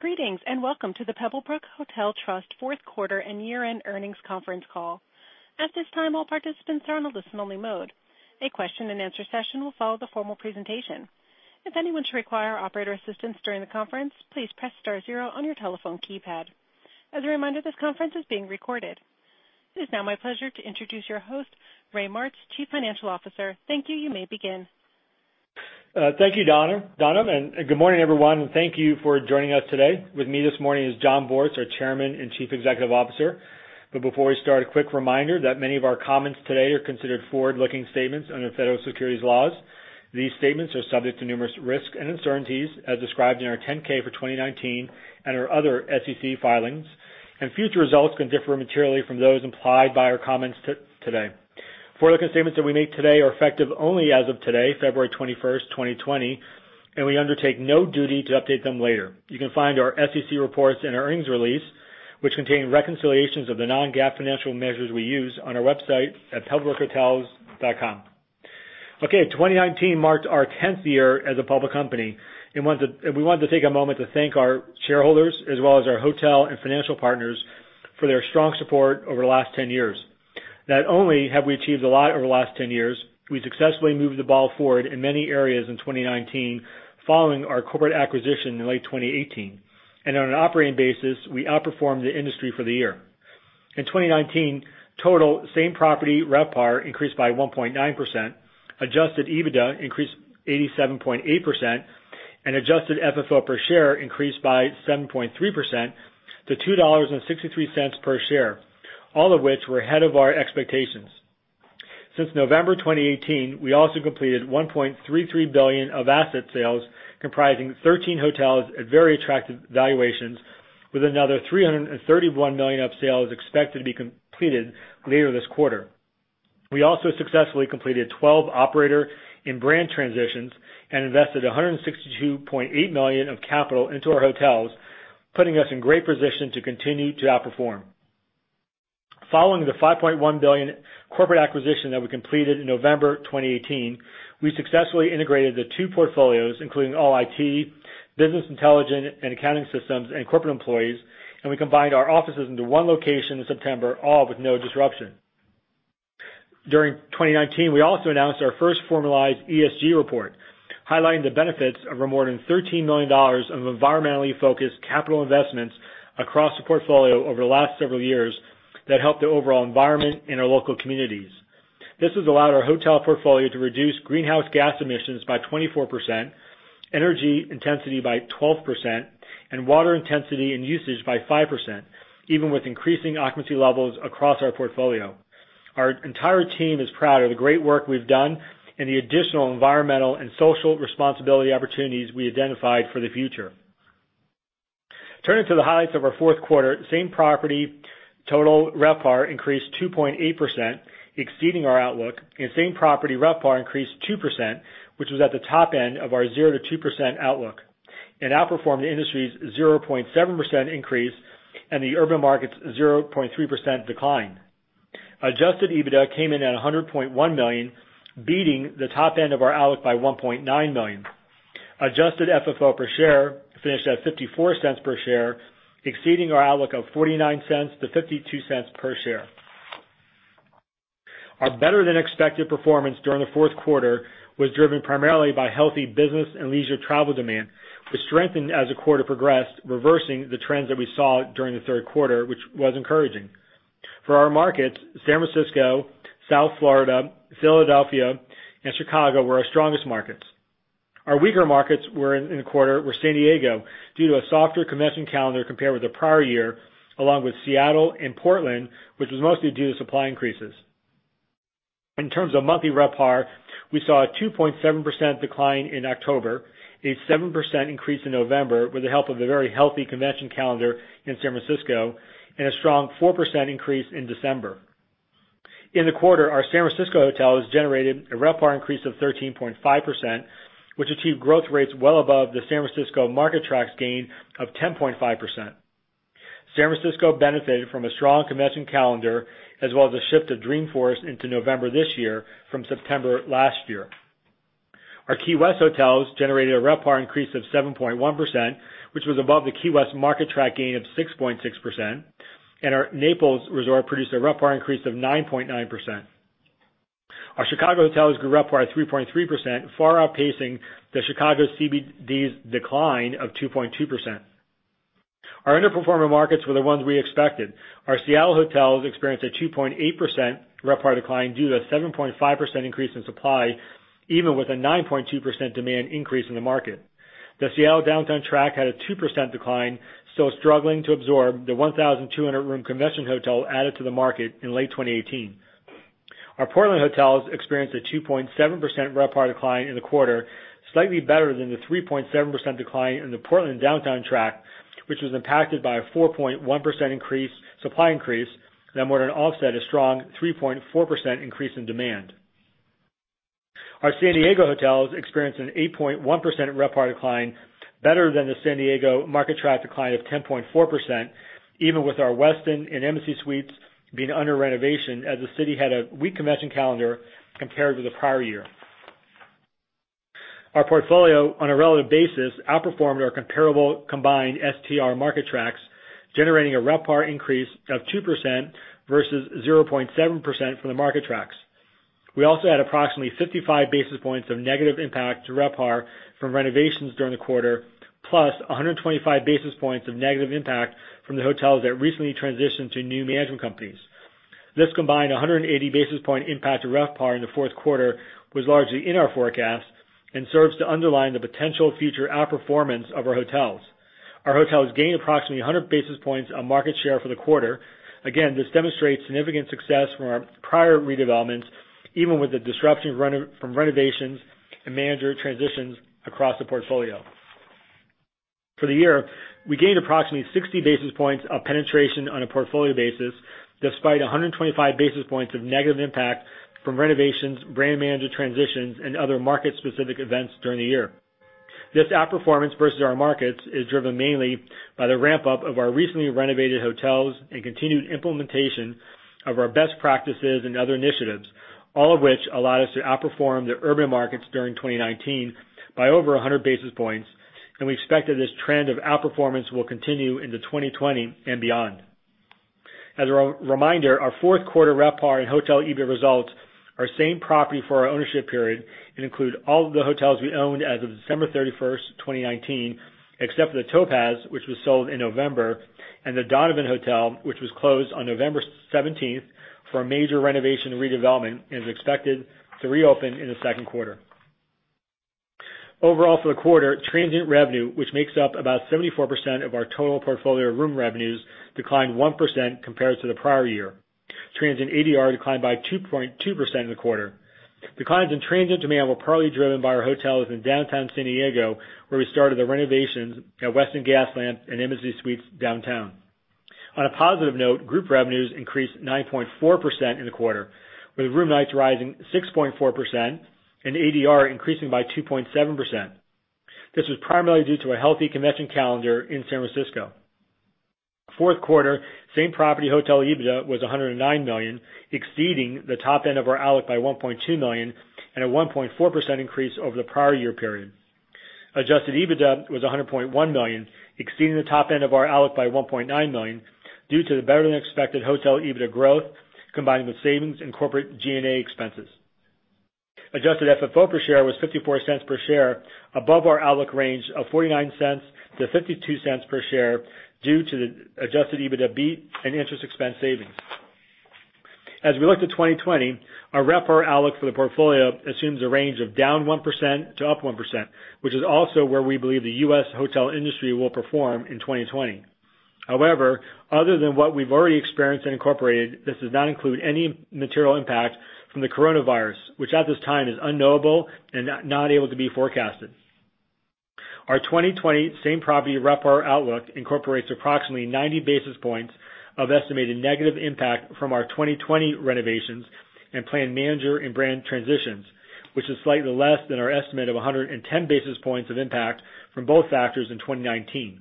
Greetings, welcome to the Pebblebrook Hotel Trust fourth quarter and year-end earnings conference call. At this time, all participants are in listen-only mode. A question and answer session will follow the formal presentation. If anyone should require operator assistance during the conference, please press star zero on your telephone keypad. As a reminder, this conference is being recorded. It is now my pleasure to introduce your host, Raymond Martz, Chief Financial Officer. Thank you. You may begin. Thank you, Donna, good morning, everyone. Thank you for joining us today. With me this morning is Jon Bortz, our Chairman and Chief Executive Officer. Before we start, a quick reminder that many of our comments today are considered forward-looking statements under federal securities laws. These statements are subject to numerous risks and uncertainties as described in our 10-K for 2019 and our other SEC filings, and future results can differ materially from those implied by our comments today. Forward-looking statements that we make today are effective only as of today, February 21st, 2020, and we undertake no duty to update them later. You can find our SEC reports and earnings release, which contain reconciliations of the non-GAAP financial measures we use on our website at pebblebrookhotels.com. Okay. 2019 marked our 10th year as a public company. We wanted to take a moment to thank our shareholders as well as our hotel and financial partners for their strong support over the last 10 years. Not only have we achieved a lot over the last 10 years, we successfully moved the ball forward in many areas in 2019 following our corporate acquisition in late 2018. On an operating basis, we outperformed the industry for the year. In 2019, total same property RevPAR increased by 1.9%, adjusted EBITDA increased 87.8%, and adjusted FFO per share increased by 7.3% to $2.63 per share, all of which were ahead of our expectations. Since November 2018, we also completed $1.33 billion of asset sales comprising 13 hotels at very attractive valuations with another $331 million of sales expected to be completed later this quarter. We also successfully completed 12 operator and brand transitions and invested $162.8 million of capital into our hotels, putting us in great position to continue to outperform. Following the $5.1 billion corporate acquisition that we completed in November 2018, we successfully integrated the two portfolios, including all IT, business intelligence, and accounting systems, and corporate employees, and we combined our offices into one location in September, all with no disruption. During 2019, we also announced our first formalized ESG report, highlighting the benefits of our more than $13 million of environmentally focused capital investments across the portfolio over the last several years that helped the overall environment in our local communities. This has allowed our hotel portfolio to reduce greenhouse gas emissions by 24%, energy intensity by 12%, and water intensity and usage by 5%, even with increasing occupancy levels across our portfolio. Our entire team is proud of the great work we've done and the additional environmental and social responsibility opportunities we identified for the future. Turning to the highlights of our fourth quarter, same property total RevPAR increased 2.8%, exceeding our outlook, and same property RevPAR increased 2%, which was at the top end of our 0%-2% outlook and outperformed the industry's 0.7% increase and the urban market's 0.3% decline. Adjusted EBITDA came in at $100.1 million, beating the top end of our outlook by $1.9 million. Adjusted FFO per share finished at $0.54 per share, exceeding our outlook of $0.49-$0.52 per share. Our better-than-expected performance during the fourth quarter was driven primarily by healthy business and leisure travel demand, which strengthened as the quarter progressed, reversing the trends that we saw during the third quarter, which was encouraging. For our markets, San Francisco, South Florida, Philadelphia, and Chicago were our strongest markets. Our weaker markets in the quarter were San Diego, due to a softer convention calendar compared with the prior year, along with Seattle and Portland, which was mostly due to supply increases. In terms of monthly RevPAR, we saw a 2.7% decline in October, a 7% increase in November with the help of a very healthy convention calendar in San Francisco, and a strong 4% increase in December. In the quarter, our San Francisco hotels generated a RevPAR increase of 13.5%, which achieved growth rates well above the San Francisco market track's gain of 10.5%. San Francisco benefited from a strong convention calendar as well as a shift of Dreamforce into November this year from September last year. Our Key West hotels generated a RevPAR increase of 7.1%, which was above the Key West market track gain of 6.6%, and our Naples resort produced a RevPAR increase of 9.9%. Our Chicago hotels grew RevPAR 3.3%, far outpacing the Chicago CBD's decline of 2.2%. Our underperforming markets were the ones we expected. Our Seattle hotels experienced a 2.8% RevPAR decline due to a 7.5% increase in supply, even with a 9.2% demand increase in the market. The Seattle downtown track had a 2% decline, still struggling to absorb the 1,200-room convention hotel added to the market in late 2018. Our Portland hotels experienced a 2.7% RevPAR decline in the quarter, slightly better than the 3.7% decline in the Portland downtown track, which was impacted by a 4.1% supply increase that more than offset a strong 3.4% increase in demand. Our San Diego hotels experienced an 8.1% RevPAR decline, better than the San Diego market track decline of 10.4%, even with our Westin and Embassy Suites being under renovation as the city had a weak convention calendar compared to the prior year. Our portfolio, on a relative basis, outperformed our comparable combined STR market tracks, generating a RevPAR increase of 2% versus 0.7% for the market tracks. We also had approximately 55 basis points of negative impact to RevPAR from renovations during the quarter, +125 basis points of negative impact from the hotels that recently transitioned to new management companies. This combined 180 basis point impact to RevPAR in the fourth quarter was largely in our forecast and serves to underline the potential future outperformance of our hotels. Our hotels gained approximately 100 basis points on market share for the quarter. This demonstrates significant success from our prior redevelopments, even with the disruption from renovations and manager transitions across the portfolio. For the year, we gained approximately 60 basis points of penetration on a portfolio basis, despite 125 basis points of negative impact from renovations, brand manager transitions, and other market-specific events during the year. This outperformance versus our markets is driven mainly by the ramp-up of our recently renovated hotels and continued implementation of our best practices and other initiatives, all of which allowed us to outperform the urban markets during 2019 by over 100 basis points. We expect that this trend of outperformance will continue into 2020 and beyond. As a reminder, our fourth quarter RevPAR and hotel EBIT results are same-property for our ownership period and include all of the hotels we owned as of December 31st, 2019, except for the Topaz, which was sold in November, and the Donovan Hotel, which was closed on November 17th for a major renovation and redevelopment, and is expected to reopen in the second quarter. Overall, for the quarter, transient revenue, which makes up about 74% of our total portfolio room revenues, declined 1% compared to the prior year. Transient ADR declined by 2.2% in the quarter. Declines in transient demand were partly driven by our hotels in downtown San Diego, where we started the renovations at Westin Gaslamp and Embassy Suites Downtown. On a positive note, group revenues increased 9.4% in the quarter, with room nights rising 6.4% and ADR increasing by 2.7%. This was primarily due to a healthy convention calendar in San Francisco. Fourth quarter same-property hotel EBITDA was $109 million, exceeding the top end of our outlook by $1.2 million and a 1.4% increase over the prior year period. Adjusted EBITDA was $100.1 million, exceeding the top end of our outlook by $1.9 million due to the better-than-expected hotel EBITDA growth, combined with savings in corporate G&A expenses. Adjusted FFO per share was $0.54 per share, above our outlook range of $0.49-$0.52 per share due to the adjusted EBITDA beat and interest expense savings. As we look to 2020, our RevPAR outlook for the portfolio assumes a range of down 1% to up 1%, which is also where we believe the U.S. hotel industry will perform in 2020. Other than what we've already experienced and incorporated, this does not include any material impact from the coronavirus, which at this time is unknowable and not able to be forecasted. Our 2020 same-property RevPAR outlook incorporates approximately 90 basis points of estimated negative impact from our 2020 renovations and planned manager and brand transitions, which is slightly less than our estimate of 110 basis points of impact from both factors in 2019.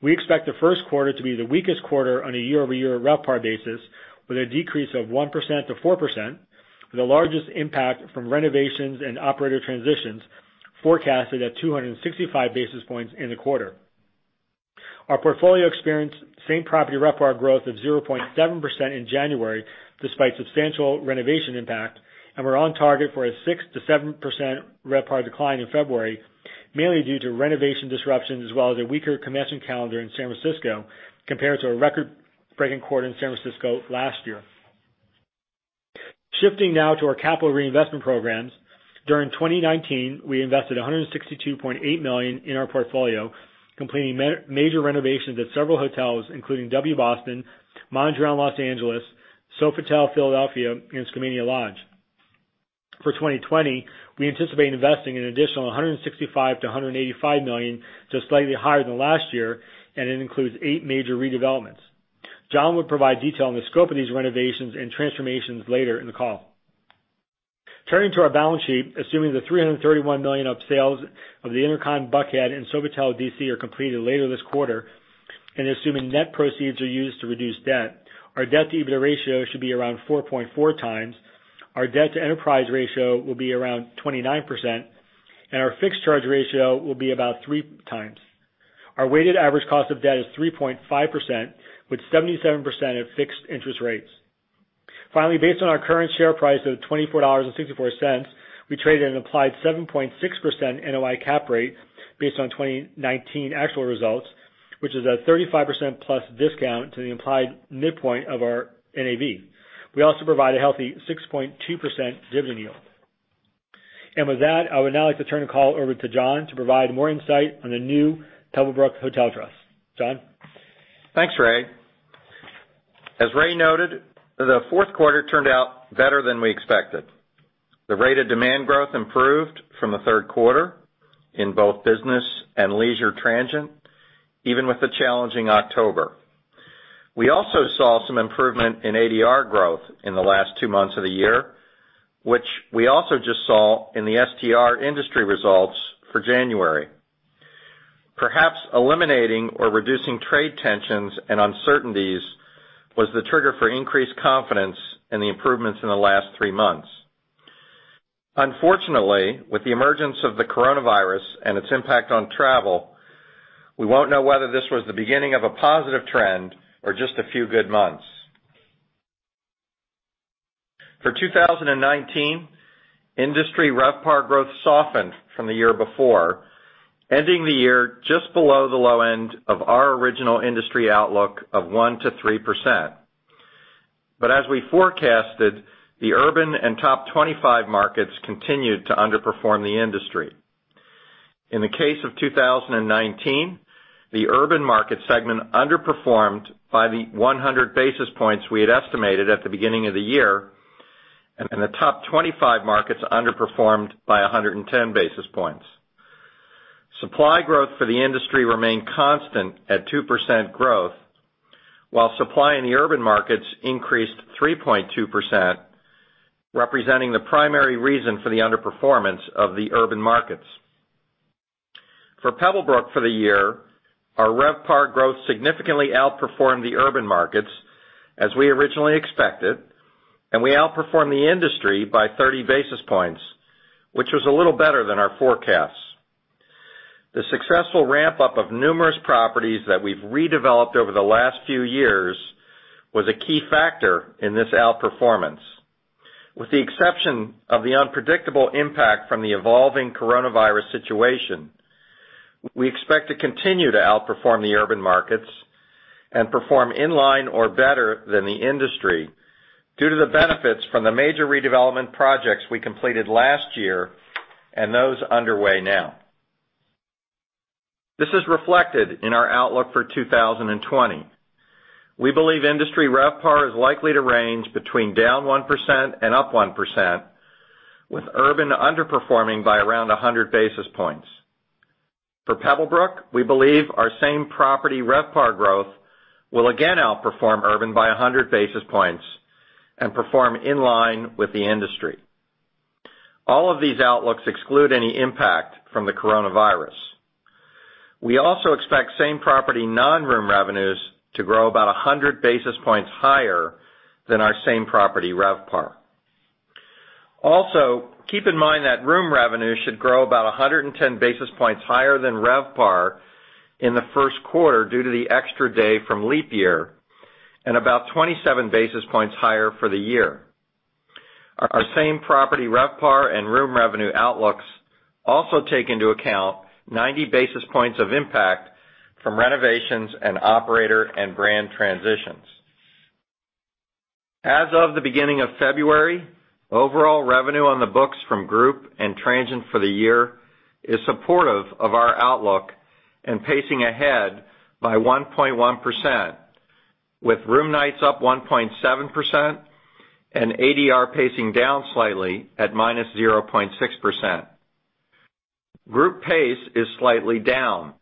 We expect the first quarter to be the weakest quarter on a year-over-year RevPAR basis, with a decrease of 1%-4%, with the largest impact from renovations and operator transitions forecasted at 265 basis points in the quarter. Our portfolio experienced same-property RevPAR growth of 0.7% in January despite substantial renovation impact, and we're on target for a 6%-7% RevPAR decline in February, mainly due to renovation disruptions as well as a weaker convention calendar in San Francisco compared to a record-breaking quarter in San Francisco last year. Shifting now to our capital reinvestment programs. During 2019, we invested $162.8 million in our portfolio, completing major renovations at several hotels, including W Boston, Mondrian Los Angeles, Sofitel Philadelphia, and Skamania Lodge. For 2020, we anticipate investing an additional $165 million-$185 million, so slightly higher than last year, and it includes eight major redevelopments. Jon will provide detail on the scope of these renovations and transformations later in the call. Turning to our balance sheet, assuming the $331 million of sales of the InterContinental Buckhead and Sofitel D.C. are completed later this quarter, and assuming net proceeds are used to reduce debt, our debt-to-EBITDA ratio should be around 4.4x, our debt-to-enterprise ratio will be around 29%, and our fixed charge ratio will be about 3x. Our weighted average cost of debt is 3.5%, with 77% at fixed interest rates. Finally, based on our current share price of $24.64, we trade at an implied 7.6% NOI cap rate based on 2019 actual results, which is a 35%-plus discount to the implied midpoint of our NAV. We also provide a healthy 6.2% dividend yield. With that, I would now like to turn the call over to Jon to provide more insight on the new Pebblebrook Hotel Trust. Jon? Thanks, Ray. As Ray noted, the fourth quarter turned out better than we expected. The rate of demand growth improved from the third quarter in both business and leisure transient, even with the challenging October. We also saw some improvement in ADR growth in the last two months of the year, which we also just saw in the STR industry results for January. Perhaps eliminating or reducing trade tensions and uncertainties was the trigger for increased confidence in the improvements in the last three months. Unfortunately, with the emergence of the coronavirus and its impact on travel, we won't know whether this was the beginning of a positive trend or just a few good months. For 2019, industry RevPAR growth softened from the year before, ending the year just below the low end of our original industry outlook of 1%-3%. As we forecasted, the urban and top 25 markets continued to underperform the industry. In the case of 2019, the urban market segment underperformed by the 100 basis points we had estimated at the beginning of the year, and the top 25 markets underperformed by 110 basis points. Supply growth for the industry remained constant at 2% growth, while supply in the urban markets increased 3.2%, representing the primary reason for the underperformance of the urban markets. For Pebblebrook for the year, our RevPAR growth significantly outperformed the urban markets, as we originally expected, and we outperformed the industry by 30 basis points, which was a little better than our forecasts. The successful ramp-up of numerous properties that we've redeveloped over the last few years was a key factor in this outperformance. With the exception of the unpredictable impact from the evolving Coronavirus situation, we expect to continue to outperform the urban markets and perform in line or better than the industry due to the benefits from the major redevelopment projects we completed last year and those underway now. This is reflected in our outlook for 2020. We believe industry RevPAR is likely to range between down 1% and up 1%, with urban underperforming by around 100 basis points. For Pebblebrook, we believe our same property RevPAR growth will again outperform urban by 100 basis points and perform in line with the industry. All of these outlooks exclude any impact from the Coronavirus. We also expect same property non-room revenues to grow about 100 basis points higher than our same property RevPAR. Also keep in mind that room revenue should grow about 110 basis points higher than RevPAR in the first quarter due to the extra day from leap year, and about 27 basis points higher for the year. Our same-property RevPAR and room revenue outlooks also take into account 90 basis points of impact from renovations and operator and brand transitions. As of the beginning of February, overall revenue on the books from group and transient for the year is supportive of our outlook and pacing ahead by 1.1%, with room nights up 1.7% and ADR pacing down slightly at -0.6%. Group pace is slightly down,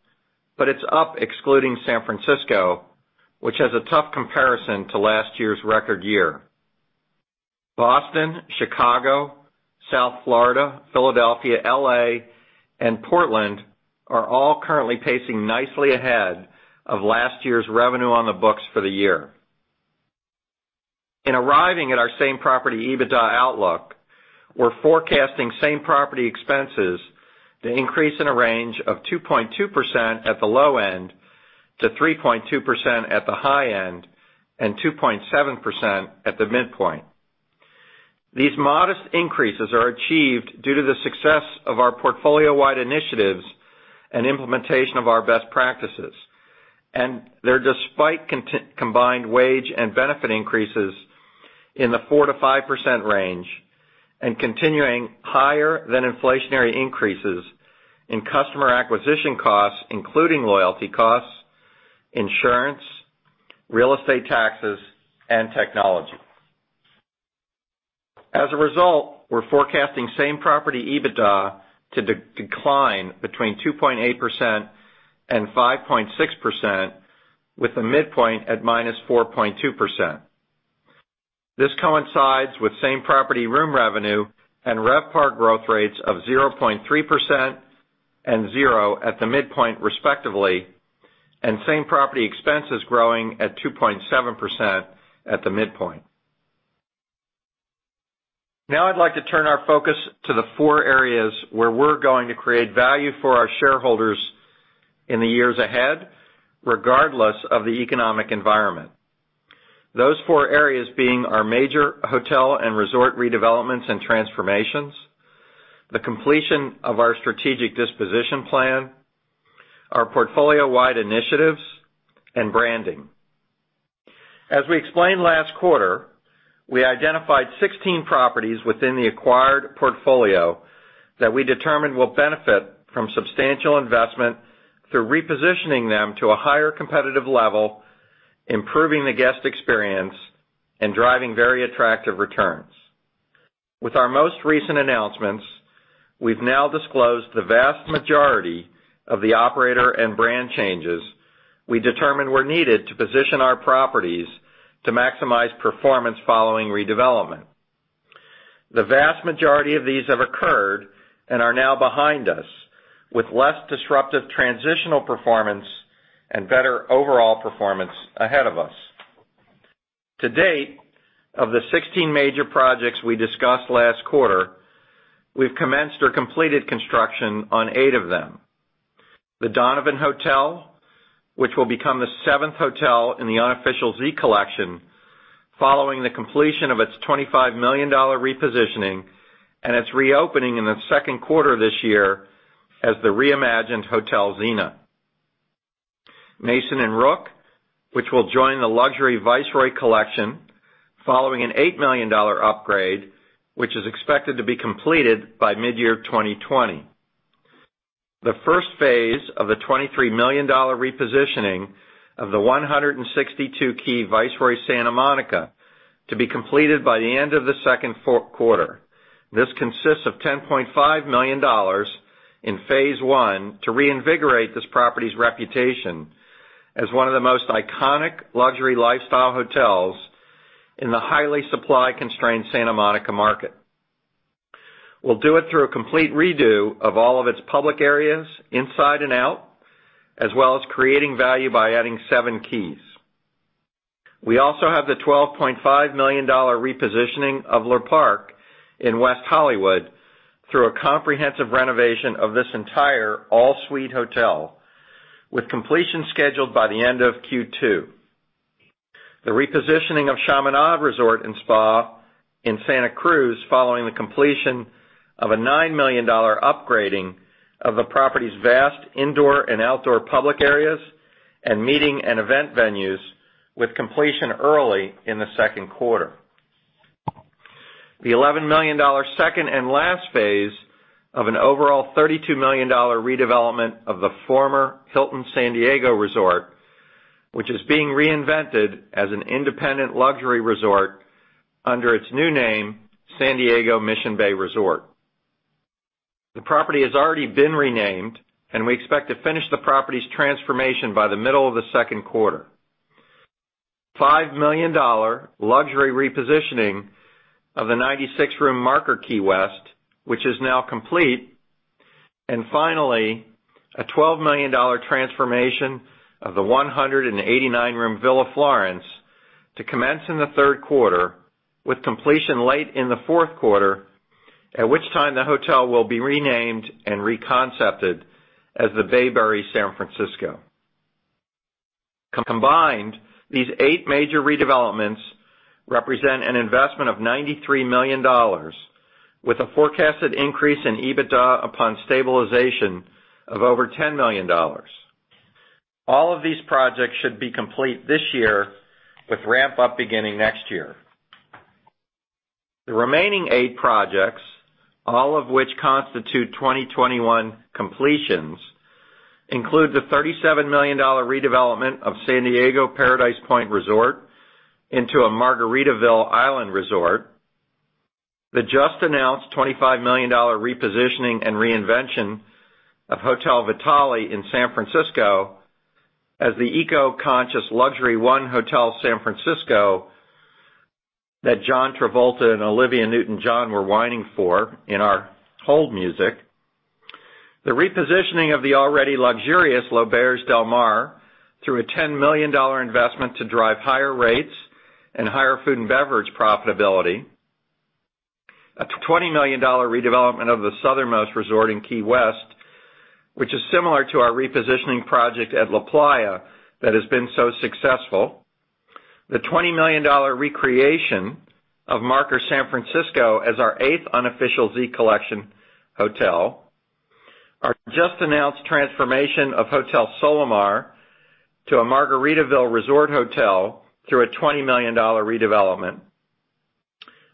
but it's up excluding San Francisco, which has a tough comparison to last year's record year. Boston, Chicago, South Florida, Philadelphia, L.A., and Portland are all currently pacing nicely ahead of last year's revenue on the books for the year. In arriving at our same-property EBITDA outlook, we're forecasting same-property expenses to increase in a range of 2.2% at the low end, to 3.2% at the high end, and 2.7% at the midpoint. These modest increases are achieved due to the success of our portfolio-wide initiatives and implementation of our best practices, and they're despite combined wage and benefit increases in the 4%-5% range and continuing higher than inflationary increases in customer acquisition costs, including loyalty costs, insurance, real estate taxes, and technology. As a result, we're forecasting same-property EBITDA to decline between 2.8% and 5.6% with the midpoint at -4.2%. This coincides with same-property room revenue and RevPAR growth rates of 0.3% and 0% at the midpoint respectively and same-property expenses growing at 2.7% at the midpoint. Now I'd like to turn our focus to the four areas where we're going to create value for our shareholders in the years ahead, regardless of the economic environment. Those four areas being our major hotel and resort redevelopments and transformations, the completion of our strategic disposition plan, our portfolio-wide initiatives, and branding. As we explained last quarter, we identified 16 properties within the acquired portfolio that we determined will benefit from substantial investment through repositioning them to a higher competitive level, improving the guest experience, and driving very attractive returns. With our most recent announcements, we've now disclosed the vast majority of the operator and brand changes we determined were needed to position our properties to maximize performance following redevelopment. The vast majority of these have occurred and are now behind us, with less disruptive transitional performance and better overall performance ahead of us. To date, of the 16 major projects we discussed last quarter, we've commenced or completed construction on eight of them. The Donovan, which will become the seventh hotel in the Unofficial Z Collection, following the completion of its $25 million repositioning and its reopening in the second quarter of this year as the reimagined Hotel Zena. Mason & Rook, which will join the luxury Viceroy Collection following an $8 million upgrade, which is expected to be completed by mid-year 2020. The first phase of the $23 million repositioning of the 162-key Viceroy Santa Monica to be completed by the end of the second fourth quarter. This consists of $10.5 million in phase one to reinvigorate this property's reputation as one of the most iconic luxury lifestyle hotels in the highly supply-constrained Santa Monica market. We'll do it through a complete redo of all of its public areas inside and out, as well as creating value by adding seven keys. We also have the $12.5 million repositioning of Le Parc in West Hollywood through a comprehensive renovation of this entire all-suite hotel, with completion scheduled by the end of Q2. The repositioning of Chaminade Resort & Spa in Santa Cruz following the completion of a $9 million upgrading of the property's vast indoor and outdoor public areas and meeting and event venues with completion early in the second quarter. The $11 million second and last phase of an overall $32 million redevelopment of the former Hilton San Diego Resort, which is being reinvented as an independent luxury resort under its new name, San Diego Mission Bay Resort. The property has already been renamed, and we expect to finish the property's transformation by the middle of the second quarter. $5 million luxury repositioning of the 96-room Marker Key West, which is now complete. Finally, a $12 million transformation of the 189-room Villa Florence to commence in the third quarter, with completion late in the fourth quarter, at which time the hotel will be renamed and reconcepted as the BEI San Francisco. Combined, these eight major redevelopments represent an investment of $93 million with a forecasted increase in EBITDA upon stabilization of over $10 million. All of these projects should be complete this year with ramp-up beginning next year. The remaining eight projects, all of which constitute 2021 completions, include the $37 million redevelopment of San Diego Paradise Point Resort into a Margaritaville Island Resort. The just-announced $25 million repositioning and reinvention of Hotel Vitale in San Francisco as the eco-conscious luxury 1 Hotel San Francisco that Jon Travolta and Olivia Newton-John were whining for in our hold music. The repositioning of the already luxurious L'Auberge Del Mar through a $10 million investment to drive higher rates and higher food and beverage profitability. A $20 million redevelopment of the southernmost resort in Key West, which is similar to our repositioning project at LaPlaya that has been so successful. The $20 million recreation of Marker San Francisco as our eighth Unofficial Z Collection hotel. Our just-announced transformation of Hotel Solamar to a Margaritaville Resort hotel through a $20 million redevelopment.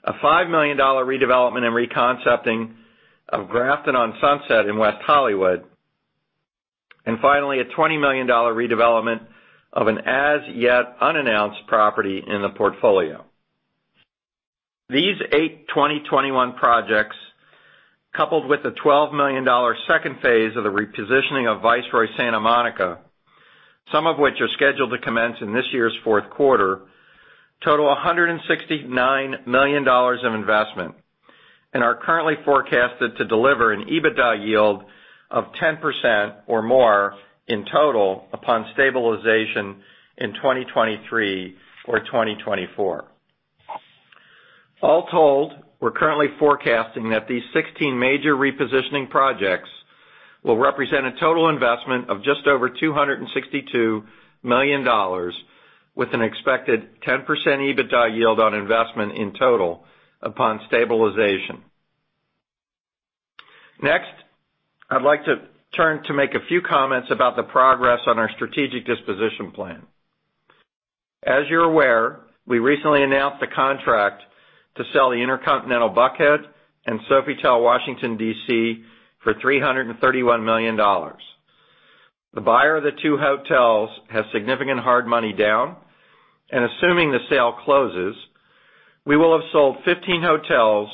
A $5 million redevelopment and reconcepting of Grafton on Sunset in West Hollywood. Finally, a $20 million redevelopment of an as-yet-unannounced property in the portfolio. These eight 2021 projects, coupled with the $12 million second phase of the repositioning of Viceroy Santa Monica, some of which are scheduled to commence in this year's fourth quarter, total $169 million of investment and are currently forecasted to deliver an EBITDA yield of 10% or more in total upon stabilization in 2023 or 2024. All told, we're currently forecasting that these 16 major repositioning projects will represent a total investment of just over $262 million with an expected 10% EBITDA yield on investment in total upon stabilization. I'd like to turn to make a few comments about the progress on our strategic disposition plan. As you're aware, we recently announced the contract to sell the InterContinental Buckhead and Sofitel Washington, D.C. for $331 million. The buyer of the two hotels has significant hard money down, and assuming the sale closes, we will have sold 15 hotels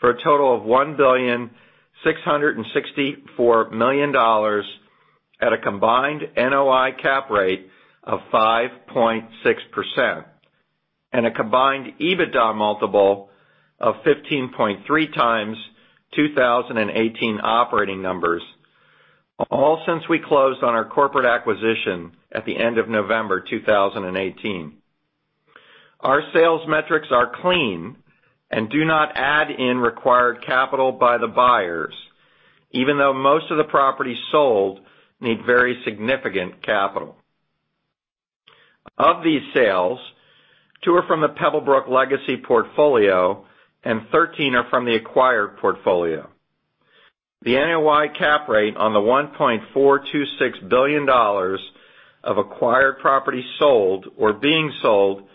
for a total of $1,664,000,000 at a combined NOI cap rate of 5.6% and a combined EBITDA multiple of 15.3x 2018 operating numbers, all since we closed on our corporate acquisition at the end of November 2018. Our sales metrics are clean and do not add in required capital by the buyers, even though most of the properties sold need very significant capital. Of these sales, two are from the Pebblebrook legacy portfolio and 13 are from the acquired portfolio. The NOI cap rate on the $1.426 billion of acquired property sold or being sold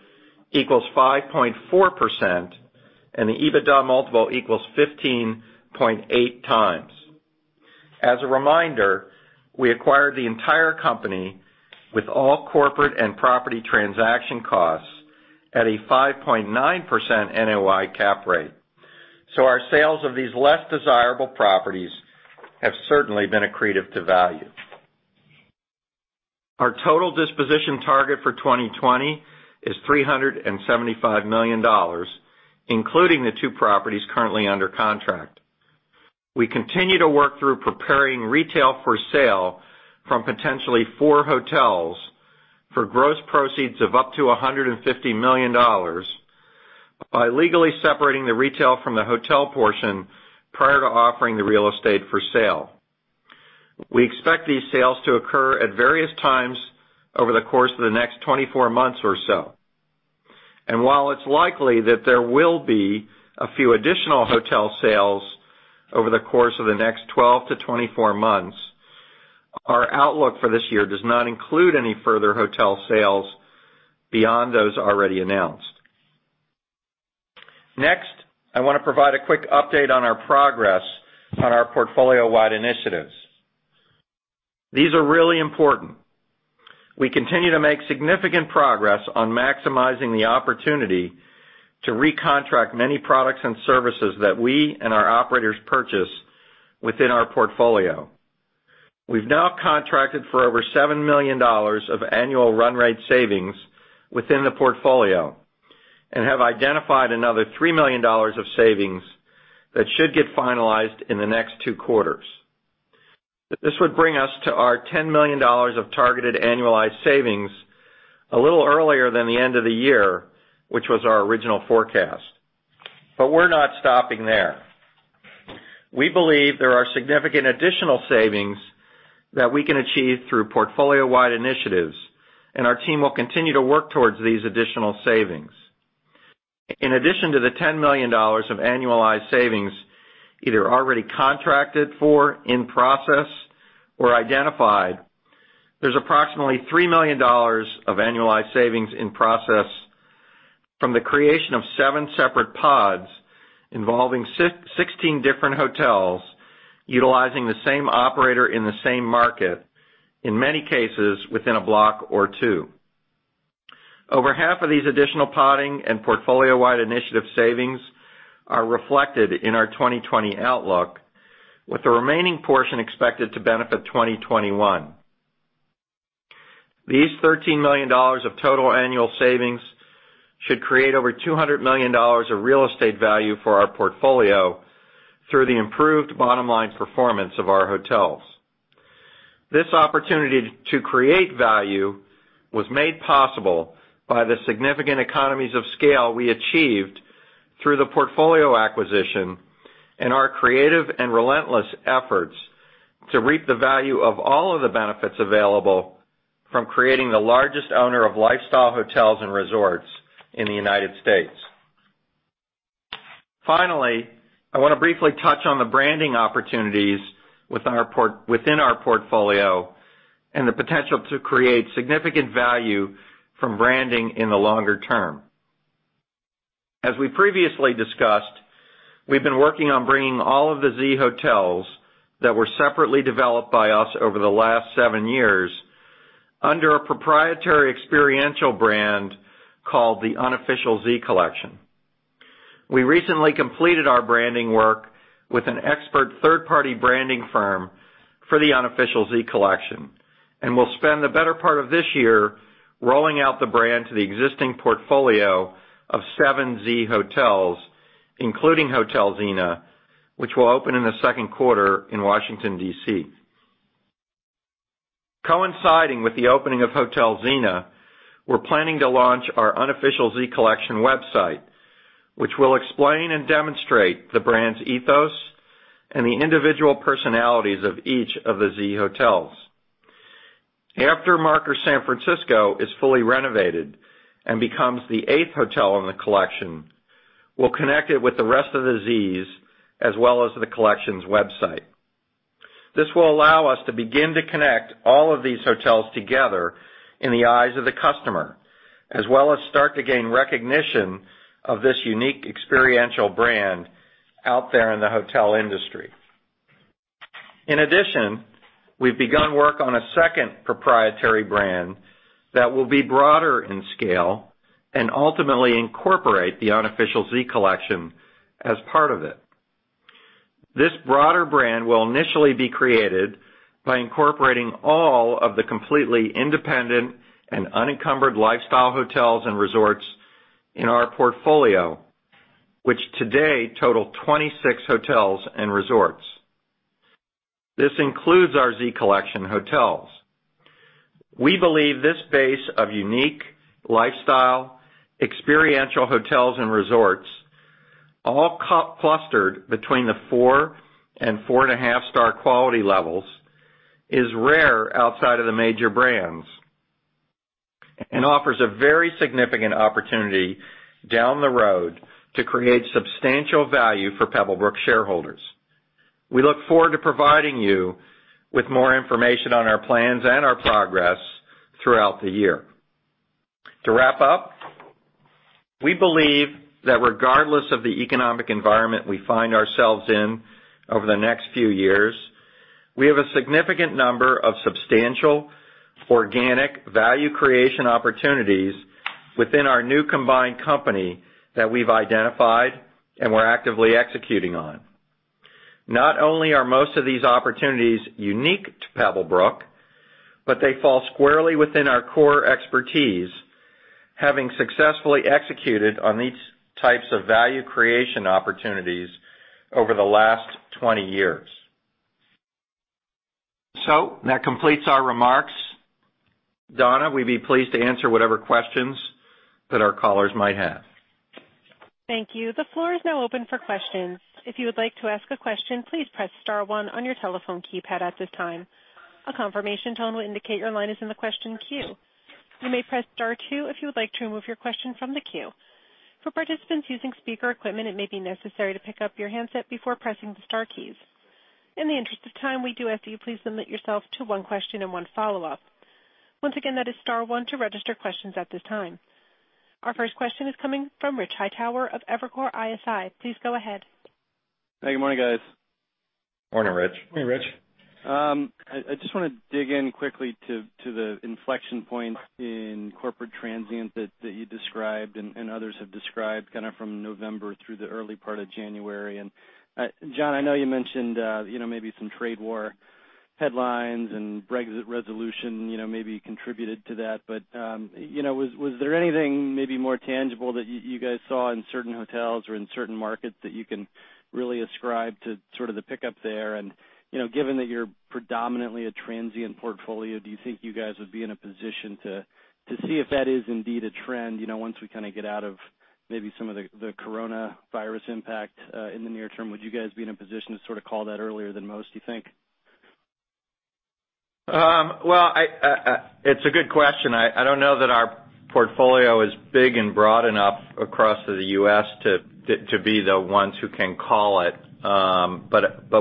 equals 5.4%, and the EBITDA multiple equals 15.8x. As a reminder, we acquired the entire company with all corporate and property transaction costs at a 5.9% NOI cap rate. Our sales of these less desirable properties have certainly been accretive to value. Our total disposition target for 2020 is $375 million, including the two properties currently under contract. We continue to work through preparing retail for sale from potentially four hotels for gross proceeds of up to $150 million by legally separating the retail from the hotel portion prior to offering the real estate for sale. We expect these sales to occur at various times over the course of the next 24 months or so. While it's likely that there will be a few additional hotel sales over the course of the next 12-24 months, our outlook for this year does not include any further hotel sales beyond those already announced. Next, I want to provide a quick update on our progress on our portfolio-wide initiatives. These are really important. We continue to make significant progress on maximizing the opportunity to recontract many products and services that we and our operators purchase within our portfolio. We've now contracted for over $7 million of annual run rate savings within the portfolio and have identified another $3 million of savings that should get finalized in the next two quarters. This would bring us to our $10 million of targeted annualized savings a little earlier than the end of the year, which was our original forecast. We're not stopping there. We believe there are significant additional savings that we can achieve through portfolio-wide initiatives, and our team will continue to work towards these additional savings. In addition to the $10 million of annualized savings, either already contracted for, in process, or identified, there's approximately $3 million of annualized savings in process from the creation of seven separate pods involving 16 different hotels, utilizing the same operator in the same market, in many cases, within a block or two. Over half of these additional podding and portfolio-wide initiative savings are reflected in our 2020 outlook, with the remaining portion expected to benefit 2021. These $13 million of total annual savings should create over $200 million of real estate value for our portfolio through the improved bottom-line performance of our hotels. This opportunity to create value was made possible by the significant economies of scale we achieved through the portfolio acquisition and our creative and relentless efforts to reap the value of all of the benefits available from creating the largest owner of lifestyle hotels and resorts in the United States. Finally, I want to briefly touch on the branding opportunities within our portfolio and the potential to create significant value from branding in the longer term. As we previously discussed, we've been working on bringing all of the Z hotels that were separately developed by us over the last seven years under a proprietary experiential brand called The Unofficial Z Collection. We recently completed our branding work with an expert third-party branding firm for The Unofficial Z Collection, and we'll spend the better part of this year rolling out the brand to the existing portfolio of seven Z hotels, including Hotel Zena, which will open in the second quarter in Washington, D.C. Coinciding with the opening of Hotel Zena, we're planning to launch our Unofficial Z Collection website, which will explain and demonstrate the brand's ethos and the individual personalities of each of the Z hotels. After Marker San Francisco is fully renovated and becomes the eighth hotel in the collection, we'll connect it with the rest of the Zs, as well as the collection's website. This will allow us to begin to connect all of these hotels together in the eyes of the customer, as well as start to gain recognition of this unique experiential brand out there in the hotel industry. We've begun work on a second proprietary brand that will be broader in scale and ultimately incorporate The Unofficial Z Collection as part of it. This broader brand will initially be created by incorporating all of the completely independent and unencumbered lifestyle hotels and resorts in our portfolio, which today total 26 hotels and resorts. This includes our Z Collection hotels. We believe this base of unique lifestyle experiential hotels and resorts, all clustered between the four and 4.5 star quality levels, is rare outside of the major brands and offers a very significant opportunity down the road to create substantial value for Pebblebrook shareholders. We look forward to providing you with more information on our plans and our progress throughout the year. To wrap up, we believe that regardless of the economic environment we find ourselves in over the next few years, we have a significant number of substantial organic value creation opportunities within our new combined company that we've identified and we're actively executing on. Not only are most of these opportunities unique to Pebblebrook, but they fall squarely within our core expertise, having successfully executed on these types of value creation opportunities over the last 20 years. That completes our remarks. Donna, we'd be pleased to answer whatever questions that our callers might have. Thank you. The floor is now open for questions. If you would like to ask a question, please press star one on your telephone keypad at this time. A confirmation tone will indicate your line is in the question queue. You may press star two if you would like to remove your question from the queue. For participants using speaker equipment, it may be necessary to pick up your handset before pressing the star keys. In the interest of time, we do ask that you please limit yourself to one question and one follow-up. Once again, that is star one to register questions at this time. Our first question is coming from Rich Hightower of Evercore ISI. Please go ahead. Hey, good morning, guys. Morning, Rich. Morning, Rich. I just want to dig in quickly to the inflection point in corporate transient that you described and others have described kind of from November through the early part of January. Jon, I know you mentioned maybe some trade war headlines and Brexit resolution maybe contributed to that. Was there anything maybe more tangible that you guys saw in certain hotels or in certain markets that you can really ascribe to sort of the pickup there? Given that you're predominantly a transient portfolio, do you think you guys would be in a position to see if that is indeed a trend once we kind of get out of maybe some of the Coronavirus impact in the near term? Would you guys be in a position to sort of call that earlier than most, do you think? Well, it's a good question. I don't know that our portfolio is big and broad enough across the U.S. to be the ones who can call it.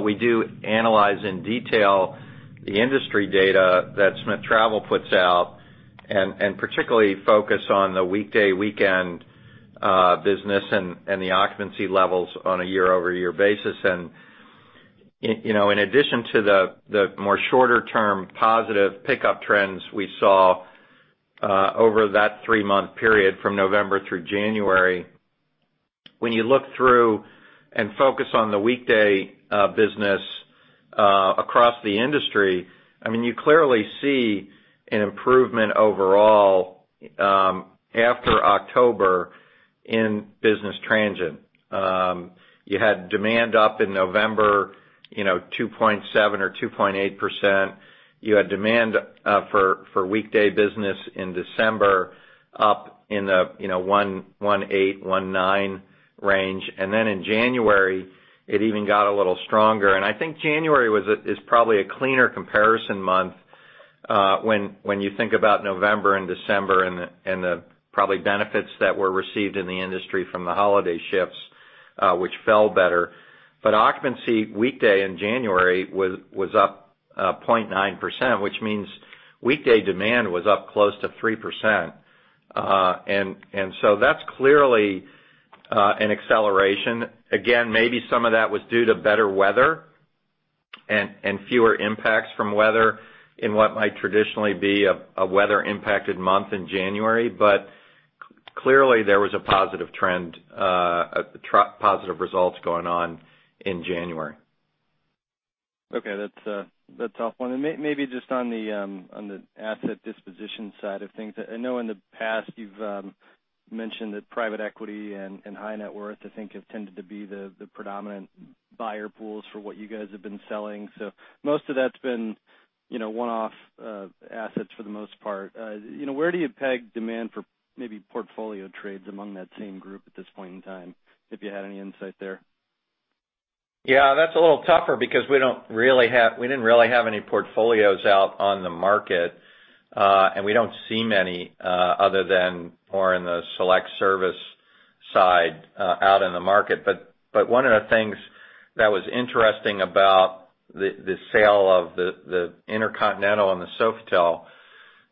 We do analyze in detail the industry data that Smith Travel puts out, and particularly focus on the weekday, weekend business and the occupancy levels on a year-over-year basis. In addition to the more shorter term positive pickup trends we saw over that 3-month period from November through January, when you look through and focus on the weekday business across the industry, you clearly see an improvement overall after October in business transient. You had demand up in November 2.7% or 2.8%. You had demand for weekday business in December up in the 1.8%-1.9% range. Then in January, it even got a little stronger. I think January is probably a cleaner comparison month when you think about November and December and the probably benefits that were received in the industry from the holiday shifts, which fell better. Occupancy weekday in January was up 0.9%, which means weekday demand was up close to 3%. That's clearly an acceleration. Again, maybe some of that was due to better weather and fewer impacts from weather in what might traditionally be a weather-impacted month in January. Clearly there was a positive trend, positive results going on in January. Okay. That's a tough one. Maybe just on the asset disposition side of things. I know in the past you've mentioned that private equity and high net worth, I think have tended to be the predominant buyer pools for what you guys have been selling. Most of that's been one-off assets for the most part. Where do you peg demand for maybe portfolio trades among that same group at this point in time, if you had any insight there? Yeah, that's a little tougher because we didn't really have any portfolios out on the market. We don't see many other than more in the select service side out in the market. One of the things that was interesting about the sale of the InterContinental and the Sofitel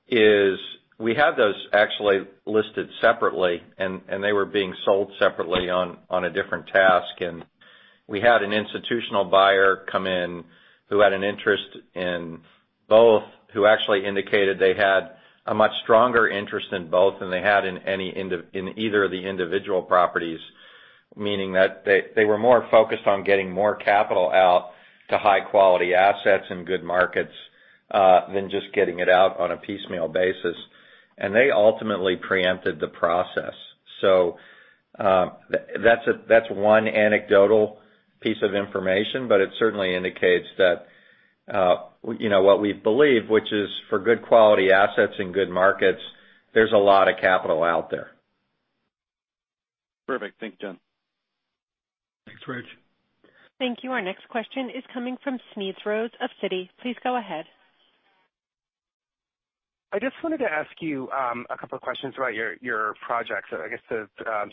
is we had those actually listed separately, and they were being sold separately on a different task. We had an institutional buyer come in who had an interest in both, who actually indicated they had a much stronger interest in both than they had in either of the individual properties, meaning that they were more focused on getting more capital out to high-quality assets in good markets, than just getting it out on a piecemeal basis. They ultimately preempted the process. That's one anecdotal piece of information, but it certainly indicates that what we believe, which is for good quality assets in good markets, there's a lot of capital out there. Perfect. Thanks, Jon. Thanks, Rich. Thank you. Our next question is coming from Smedes Rose of Citi. Please go ahead. I just wanted to ask you, a couple of questions about your projects. I guess the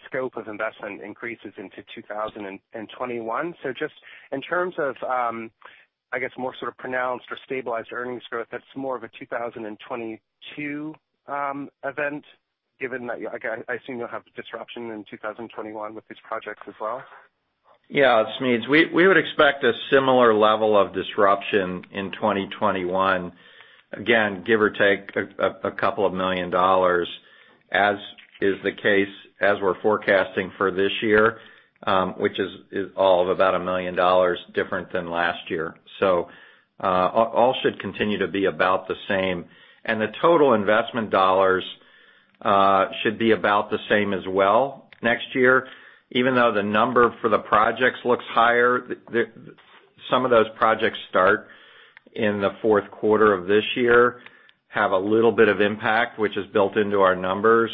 scope of investment increases into 2021. Just in terms of, I guess, more sort of pronounced or stabilized earnings growth, that's more of a 2022 event, given that, I assume you'll have disruption in 2021 with these projects as well? Yeah. Smedes. We would expect a similar level of disruption in 2021, again, give or take a couple of million dollars, as is the case, as we're forecasting for this year, which is all of about $1 million different than last year. All should continue to be about the same. The total investment dollars should be about the same as well next year. Even though the number for the projects looks higher, some of those projects start in the fourth quarter of this year, have a little bit of impact, which is built into our numbers.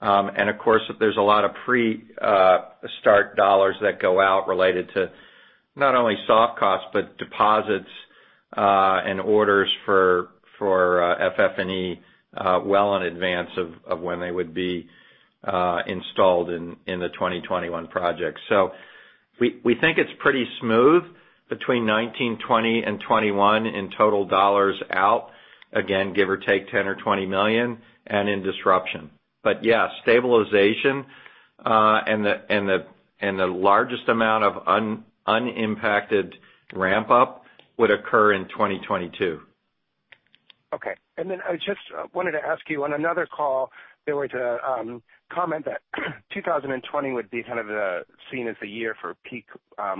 Of course, there's a lot of pre-start dollars that go out related to not only soft costs, but deposits, and orders for FF&E well in advance of when they would be installed in the 2021 project. We think it's pretty smooth between 2019, 2020, and 2021 in total dollars out, again, give or take $10 or $20 million and in disruption. Yeah, stabilization, and the largest amount of unimpacted ramp-up would occur in 2022. Okay. I just wanted to ask you, on another call, there was a comment that 2020 would be kind of seen as the year for peak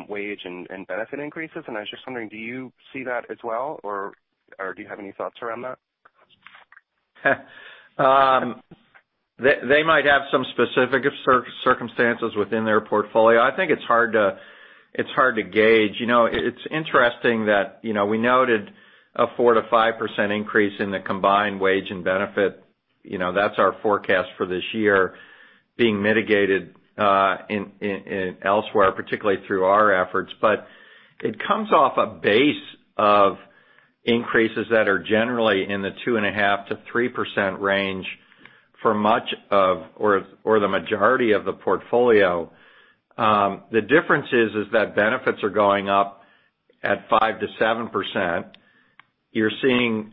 wage and benefit increases. I was just wondering, do you see that as well, or do you have any thoughts around that? They might have some specific circumstances within their portfolio. I think it's hard to gauge. It's interesting that we noted a 4%-5% increase in the combined wage and benefit. That's our forecast for this year being mitigated elsewhere, particularly through our efforts. It comes off a base of increases that are generally in the 2.5%-3% range for much of, or the majority of the portfolio. The difference is that benefits are going up at 5%-7%. You're seeing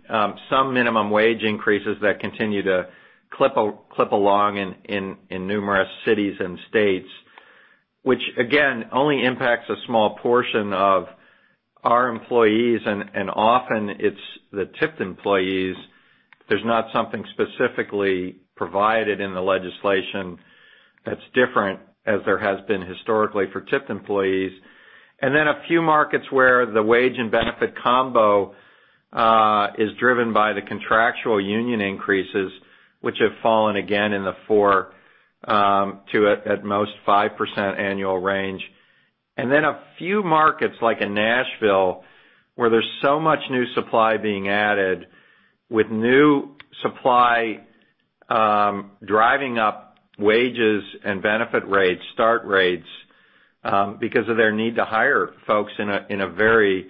some minimum wage increases that continue to clip along in numerous cities and states, which again, only impacts a small portion of our employees, and often it's the tipped employees. There's not something specifically provided in the legislation that's different as there has been historically for tipped employees. A few markets where the wage and benefit combo is driven by the contractual union increases, which have fallen again in the 4%, to at most 5% annual range. A few markets like in Nashville, where there's so much new supply being added, with new supply driving up wages and benefit rates, start rates, because of their need to hire folks in a very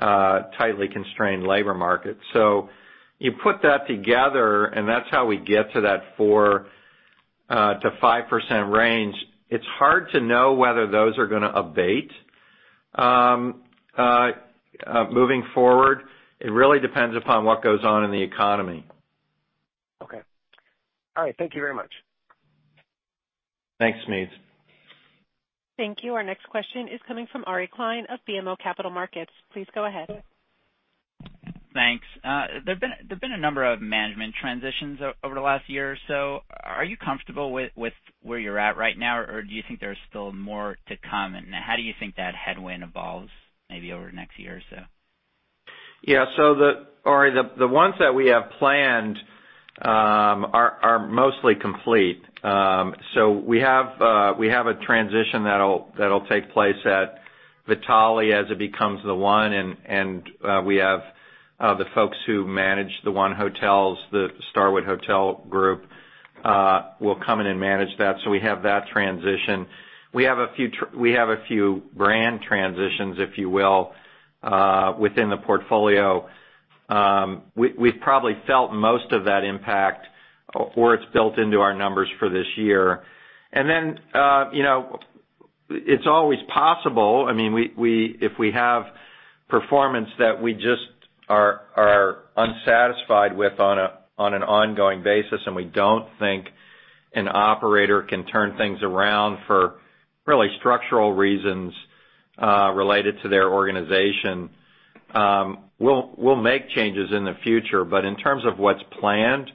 tightly constrained labor market. You put that together, and that's how we get to that 4%-5% range. It's hard to know whether those are going to abate, moving forward. It really depends upon what goes on in the economy. Okay. All right. Thank you very much. Thanks, Smedes. Thank you. Our next question is coming from Aryeh Klein of BMO Capital Markets. Please go ahead. Thanks. There's been a number of management transitions over the last year or so. Are you comfortable with where you're at right now, or do you think there's still more to come, and how do you think that headwind evolves maybe over the next year or so? Yeah. Aryeh, the ones that we have planned are mostly complete. We have a transition that'll take place at Hotel Vitale as it becomes the one, and we have the folks who manage the 1 Hotels, the Starwood Hotel Group, will come in and manage that. We have that transition. We have a few brand transitions, if you will, within the portfolio. We've probably felt most of that impact, or it's built into our numbers for this year. It's always possible. If we have performance that we just are unsatisfied with on an ongoing basis, and we don't think an operator can turn things around for really structural reasons related to their organization, we'll make changes in the future. In terms of what's planned,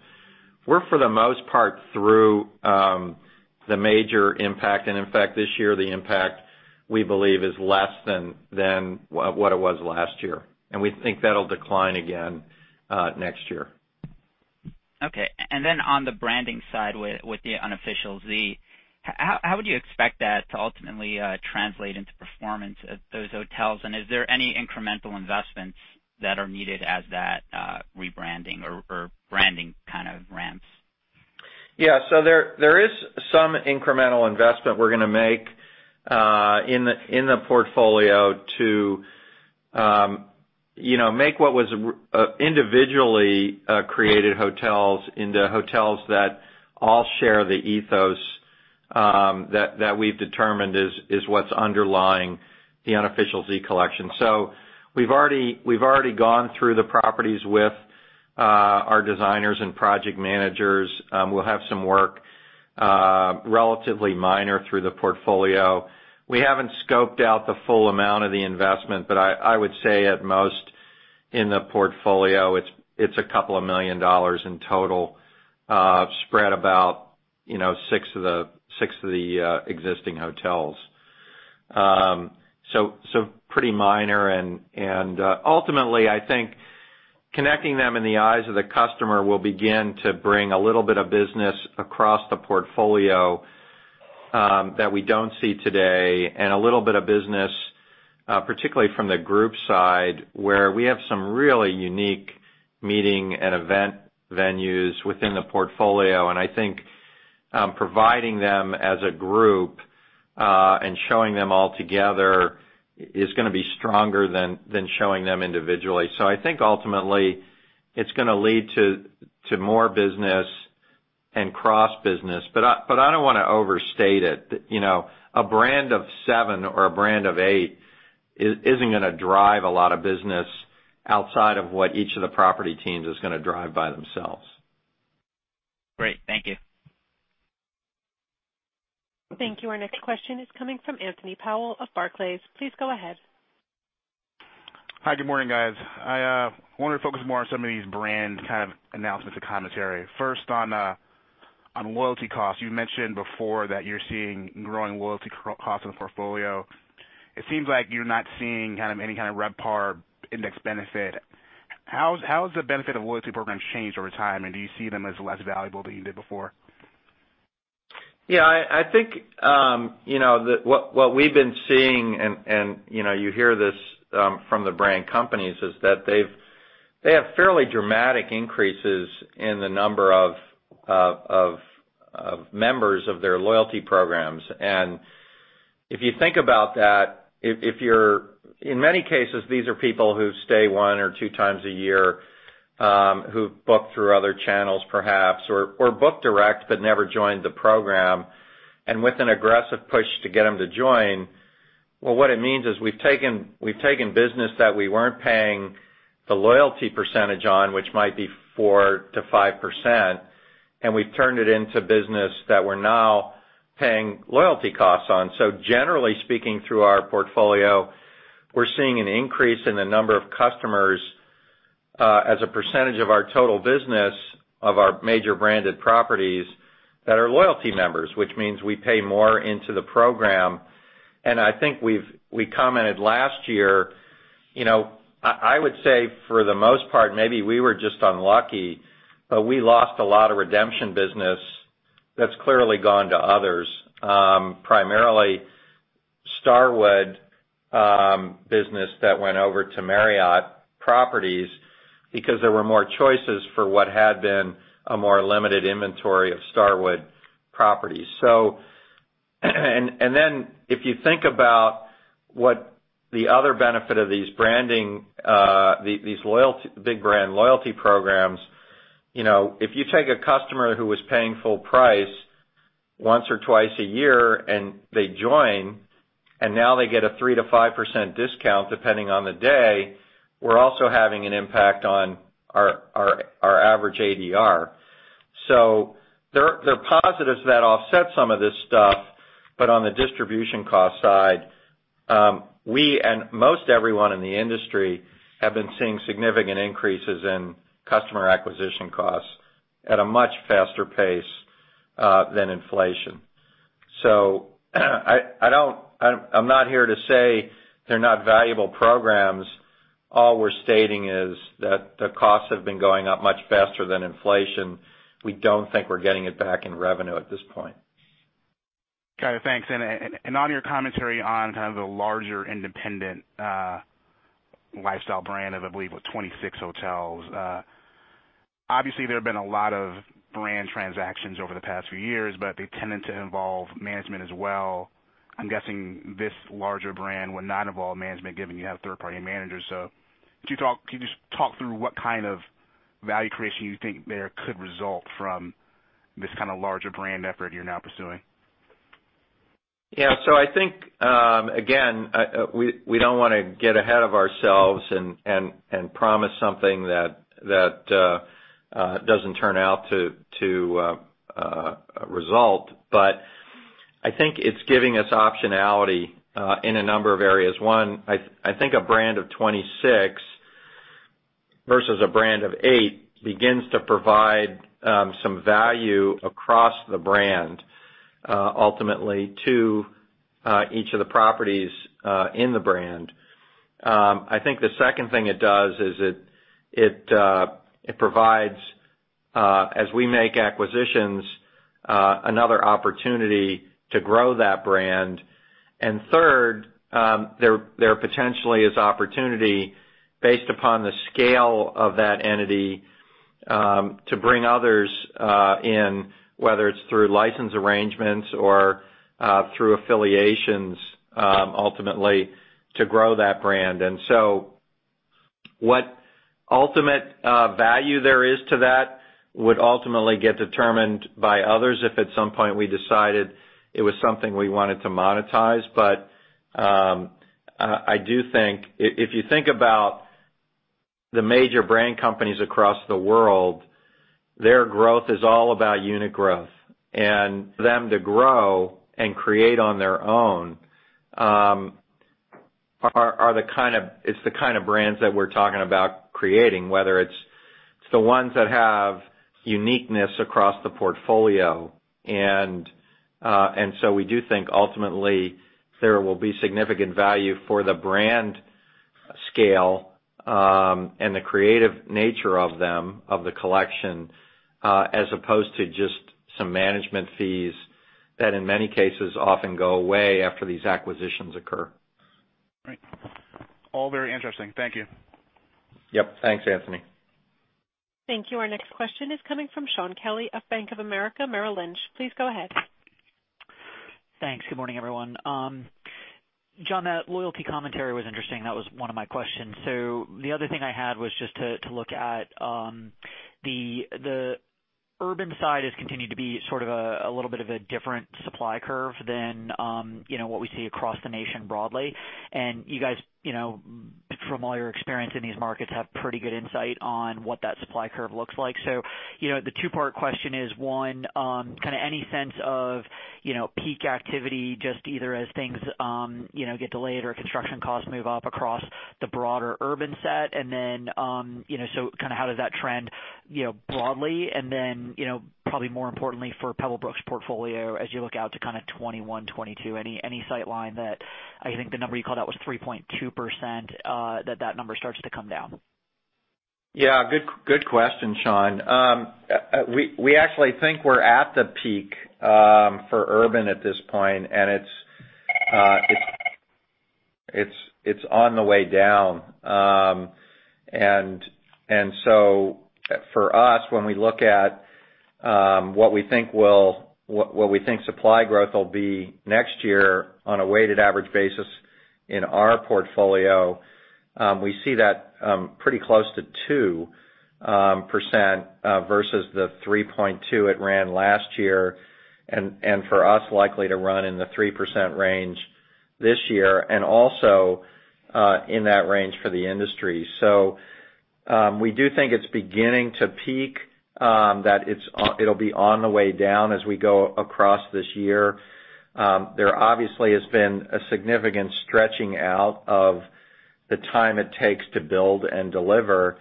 we're for the most part through the major impact. In fact, this year, the impact, we believe is less than what it was last year. We think that'll decline again next year. Okay. On the branding side with the Unofficial Z, how would you expect that to ultimately translate into performance at those hotels? Is there any incremental investments that are needed as that rebranding or branding kind of ramps? Yeah. There is some incremental investment we're going to make in the portfolio to make what was individually created hotels into hotels that all share the ethos that we've determined is what's underlying the Unofficial Z Collection. We've already gone through the properties with our designers and project managers. We'll have some work, relatively minor through the portfolio. We haven't scoped out the full amount of the investment, I would say at most in the portfolio, it's a couple of million dollars in total spread about six of the existing hotels. Pretty minor, ultimately, I think connecting them in the eyes of the customer will begin to bring a little bit of business across the portfolio that we don't see today, a little bit of business particularly from the group side, where we have some really unique meeting and event venues within the portfolio. I think providing them as a group, and showing them all together is going to be stronger than showing them individually. I think ultimately it's going to lead to more business and cross-business. I don't want to overstate it. A brand of seven or a brand of eight isn't going to drive a lot of business outside of what each of the property teams is going to drive by themselves. Great. Thank you. Thank you. Our next question is coming from Anthony Powell of Barclays. Please go ahead. Hi, good morning, guys. I wanted to focus more on some of these brand kind of announcements or commentary. First, on loyalty costs. You mentioned before that you're seeing growing loyalty costs in the portfolio. It seems like you're not seeing any kind of RevPAR index benefit. How has the benefit of loyalty programs changed over time, and do you see them as less valuable than you did before? Yeah, I think what we've been seeing, you hear this from the brand companies, is that they have fairly dramatic increases in the number of members of their loyalty programs. If you think about that, in many cases, these are people who stay one or two times a year, who book through other channels perhaps, or book direct but never joined the program. With an aggressive push to get them to join, well, what it means is we've taken business that we weren't paying the loyalty percentage on, which might be 4%-5%, and we've turned it into business that we're now paying loyalty costs on. Generally speaking, through our portfolio, we're seeing an increase in the number of customers as a percentage of our total business of our major branded properties that are loyalty members, which means we pay more into the program. I think we commented last year, I would say for the most part, maybe we were just unlucky, but we lost a lot of redemption business that's clearly gone to others. Primarily Starwood business that went over to Marriott properties because there were more choices for what had been a more limited inventory of Starwood properties. If you think about what the other benefit of these big brand loyalty programs, if you take a customer who was paying full price once or twice a year and they join, and now they get a 3%-5% discount depending on the day, we're also having an impact on our average ADR. There are positives that offset some of this stuff, but on the distribution cost side, we and most everyone in the industry have been seeing significant increases in customer acquisition costs at a much faster pace than inflation. I'm not here to say they're not valuable programs. All we're stating is that the costs have been going up much faster than inflation. We don't think we're getting it back in revenue at this point. Got it, thanks. On your commentary on kind of the larger independent lifestyle brand of, I believe, what, 26 hotels. Obviously, there have been a lot of brand transactions over the past few years, but they tended to involve management as well. I'm guessing this larger brand would not involve management given you have third-party managers. Can you just talk through what kind of value creation you think there could result from this kind of larger brand effort you're now pursuing? I think, again, we don't want to get ahead of ourselves and promise something that doesn't turn out to result. I think it's giving us optionality in a number of areas. One, I think a brand of 26 versus a brand of eight begins to provide some value across the brand, ultimately to each of the properties in the brand. The second thing it does is it provides, as we make acquisitions, another opportunity to grow that brand. Third, there potentially is opportunity based upon the scale of that entity, to bring others in, whether it's through license arrangements or through affiliations, ultimately to grow that brand. What ultimate value there is to that would ultimately get determined by others if at some point we decided it was something we wanted to monetize. I do think, if you think about the major brand companies across the world, their growth is all about unit growth. For them to grow and create on their own, it's the kind of brands that we're talking about creating, whether it's the ones that have uniqueness across the portfolio. We do think ultimately there will be significant value for the brand scale, and the creative nature of them, of the collection, as opposed to just some management fees that in many cases often go away after these acquisitions occur. Right. All very interesting. Thank you. Yep. Thanks, Anthony. Thank you. Our next question is coming from Shaun Kelley of Bank of America Merrill Lynch. Please go ahead. Thanks. Good morning, everyone. Jon, that loyalty commentary was interesting. That was one of my questions. The other thing I had was just to look at the urban side has continued to be sort of a little bit of a different supply curve than what we see across the nation broadly. You guys, from all your experience in these markets, have pretty good insight on what that supply curve looks like. The two-part question is, one, kind of any sense of peak activity, just either as things get delayed or construction costs move up across the broader urban set. Kind of how does that trend broadly and then, probably more importantly for Pebblebrook's portfolio as you look out to kind of 2021, 2022, any sight line that, I think the number you called out was 3.2%, that number starts to come down. Yeah. Good question, Shaun. We actually think we're at the peak for urban at this point, and it's on the way down. For us, when we look at what we think supply growth will be next year on a weighted average basis in our portfolio, we see that pretty close to 2% versus the 3.2% it ran last year. For us, likely to run in the 3% range this year and also in that range for the industry. We do think it's beginning to peak, that it'll be on the way down as we go across this year. There obviously has been a significant stretching out of the time it takes to build and deliver.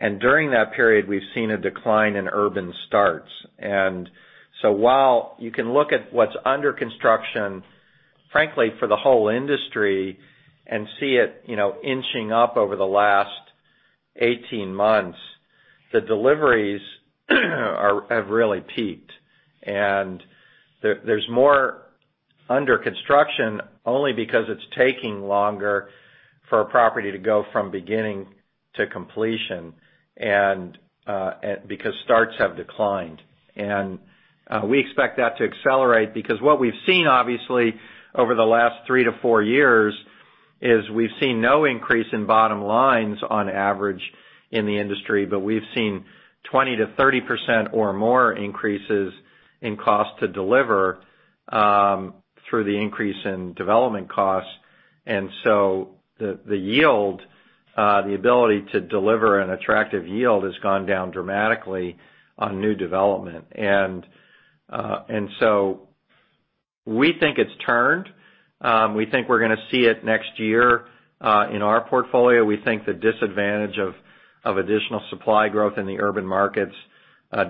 During that period, we've seen a decline in urban starts. While you can look at what's under construction, frankly for the whole industry and see it inching up over the last 18 months, the deliveries have really peaked. There's more under construction only because it's taking longer for a property to go from beginning to completion and because starts have declined. We expect that to accelerate because what we've seen obviously over the last three to four years is we've seen no increase in bottom lines on average in the industry, but we've seen 20%-30% or more increases in cost to deliver through the increase in development costs. The yield, the ability to deliver an attractive yield, has gone down dramatically on new development. We think it's turned. We think we're going to see it next year in our portfolio. We think the disadvantage of additional supply growth in the urban markets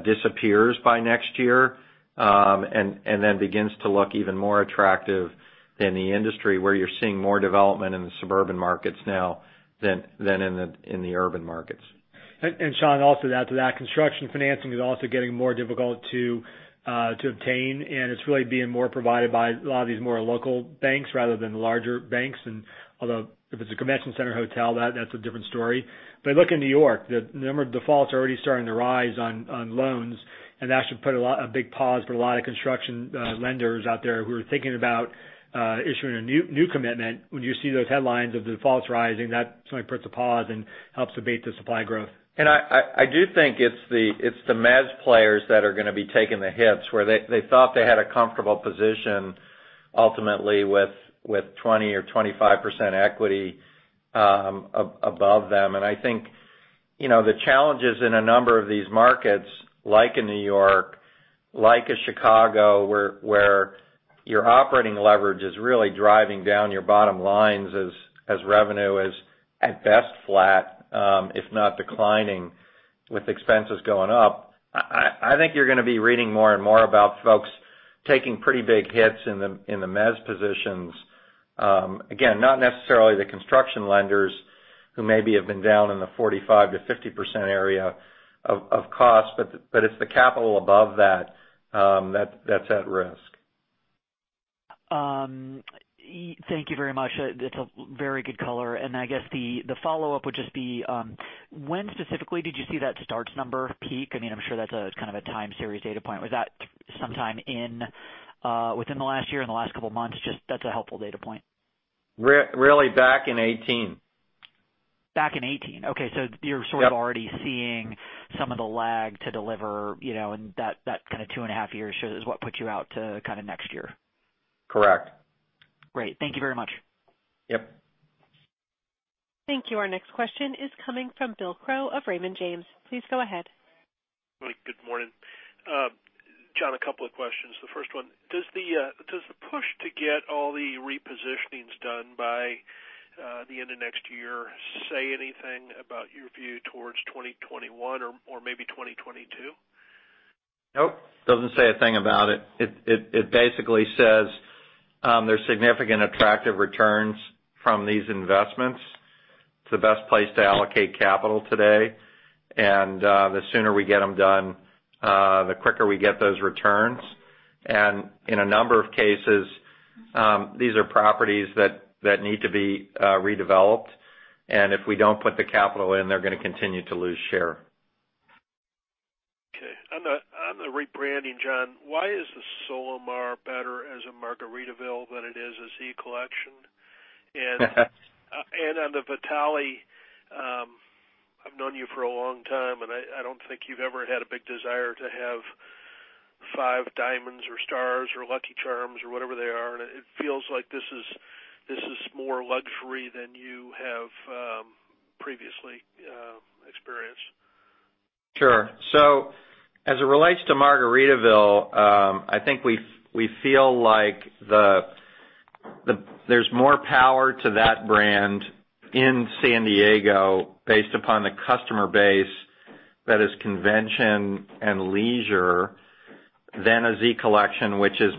disappears by next year, and then begins to look even more attractive than the industry where you're seeing more development in the suburban markets now than in the urban markets. Shaun, I'll also add to that, construction financing is also getting more difficult to obtain, and it's really being more provided by a lot of these more local banks rather than larger banks. Although if it's a convention center hotel, that's a different story. Look in New York, the number of defaults are already starting to rise on loans, and that should put a big pause for a lot of construction lenders out there who are thinking about issuing a new commitment. When you see those headlines of defaults rising, that certainly puts a pause and helps abate the supply growth. I do think it's the mezz players that are going to be taking the hits where they thought they had a comfortable position. Ultimately with 20% or 25% equity above them. I think, the challenges in a number of these markets, like in New York, like in Chicago, where your operating leverage is really driving down your bottom lines as revenue is, at best, flat, if not declining, with expenses going up. I think you're going to be reading more and more about folks taking pretty big hits in the mezz positions. Not necessarily the construction lenders who maybe have been down in the 45%-50% area of cost, but it's the capital above that's at risk. Thank you very much. It's a very good color. I guess the follow-up would just be, when specifically did you see that STR number peak? I'm sure that's a kind of a time series data point. Was that sometime within the last year, in the last couple of months? Just that's a helpful data point. Really back in 2018. Back in 2018. Okay. Yep. You're sort of already seeing some of the lag to deliver, and that kind of two and a half years is what puts you out to kind of next year. Correct. Great. Thank you very much. Yep. Thank you. Our next question is coming from Bill Crow of Raymond James. Please go ahead. Good morning. Jon, a couple of questions. The first one, does the push to get all the repositionings done by the end of next year say anything about your view towards 2021 or maybe 2022? Nope. Doesn't say a thing about it. It basically says there's significant attractive returns from these investments to the best place to allocate capital today. The sooner we get them done, the quicker we get those returns. In a number of cases, these are properties that need to be redeveloped. If we don't put the capital in, they're going to continue to lose share. Okay. On the rebranding, Jon, why is the Solamar better as a Margaritaville than it is a Z Collection? On the Vitale, I've known you for a long time, and I don't think you've ever had a big desire to have five diamonds or stars or lucky charms or whatever they are. It feels like this is more luxury than you have previously experienced. As it relates to Margaritaville, I think we feel like there's more power to that brand in San Diego based upon the customer base that is convention and leisure than a Z Collection, which would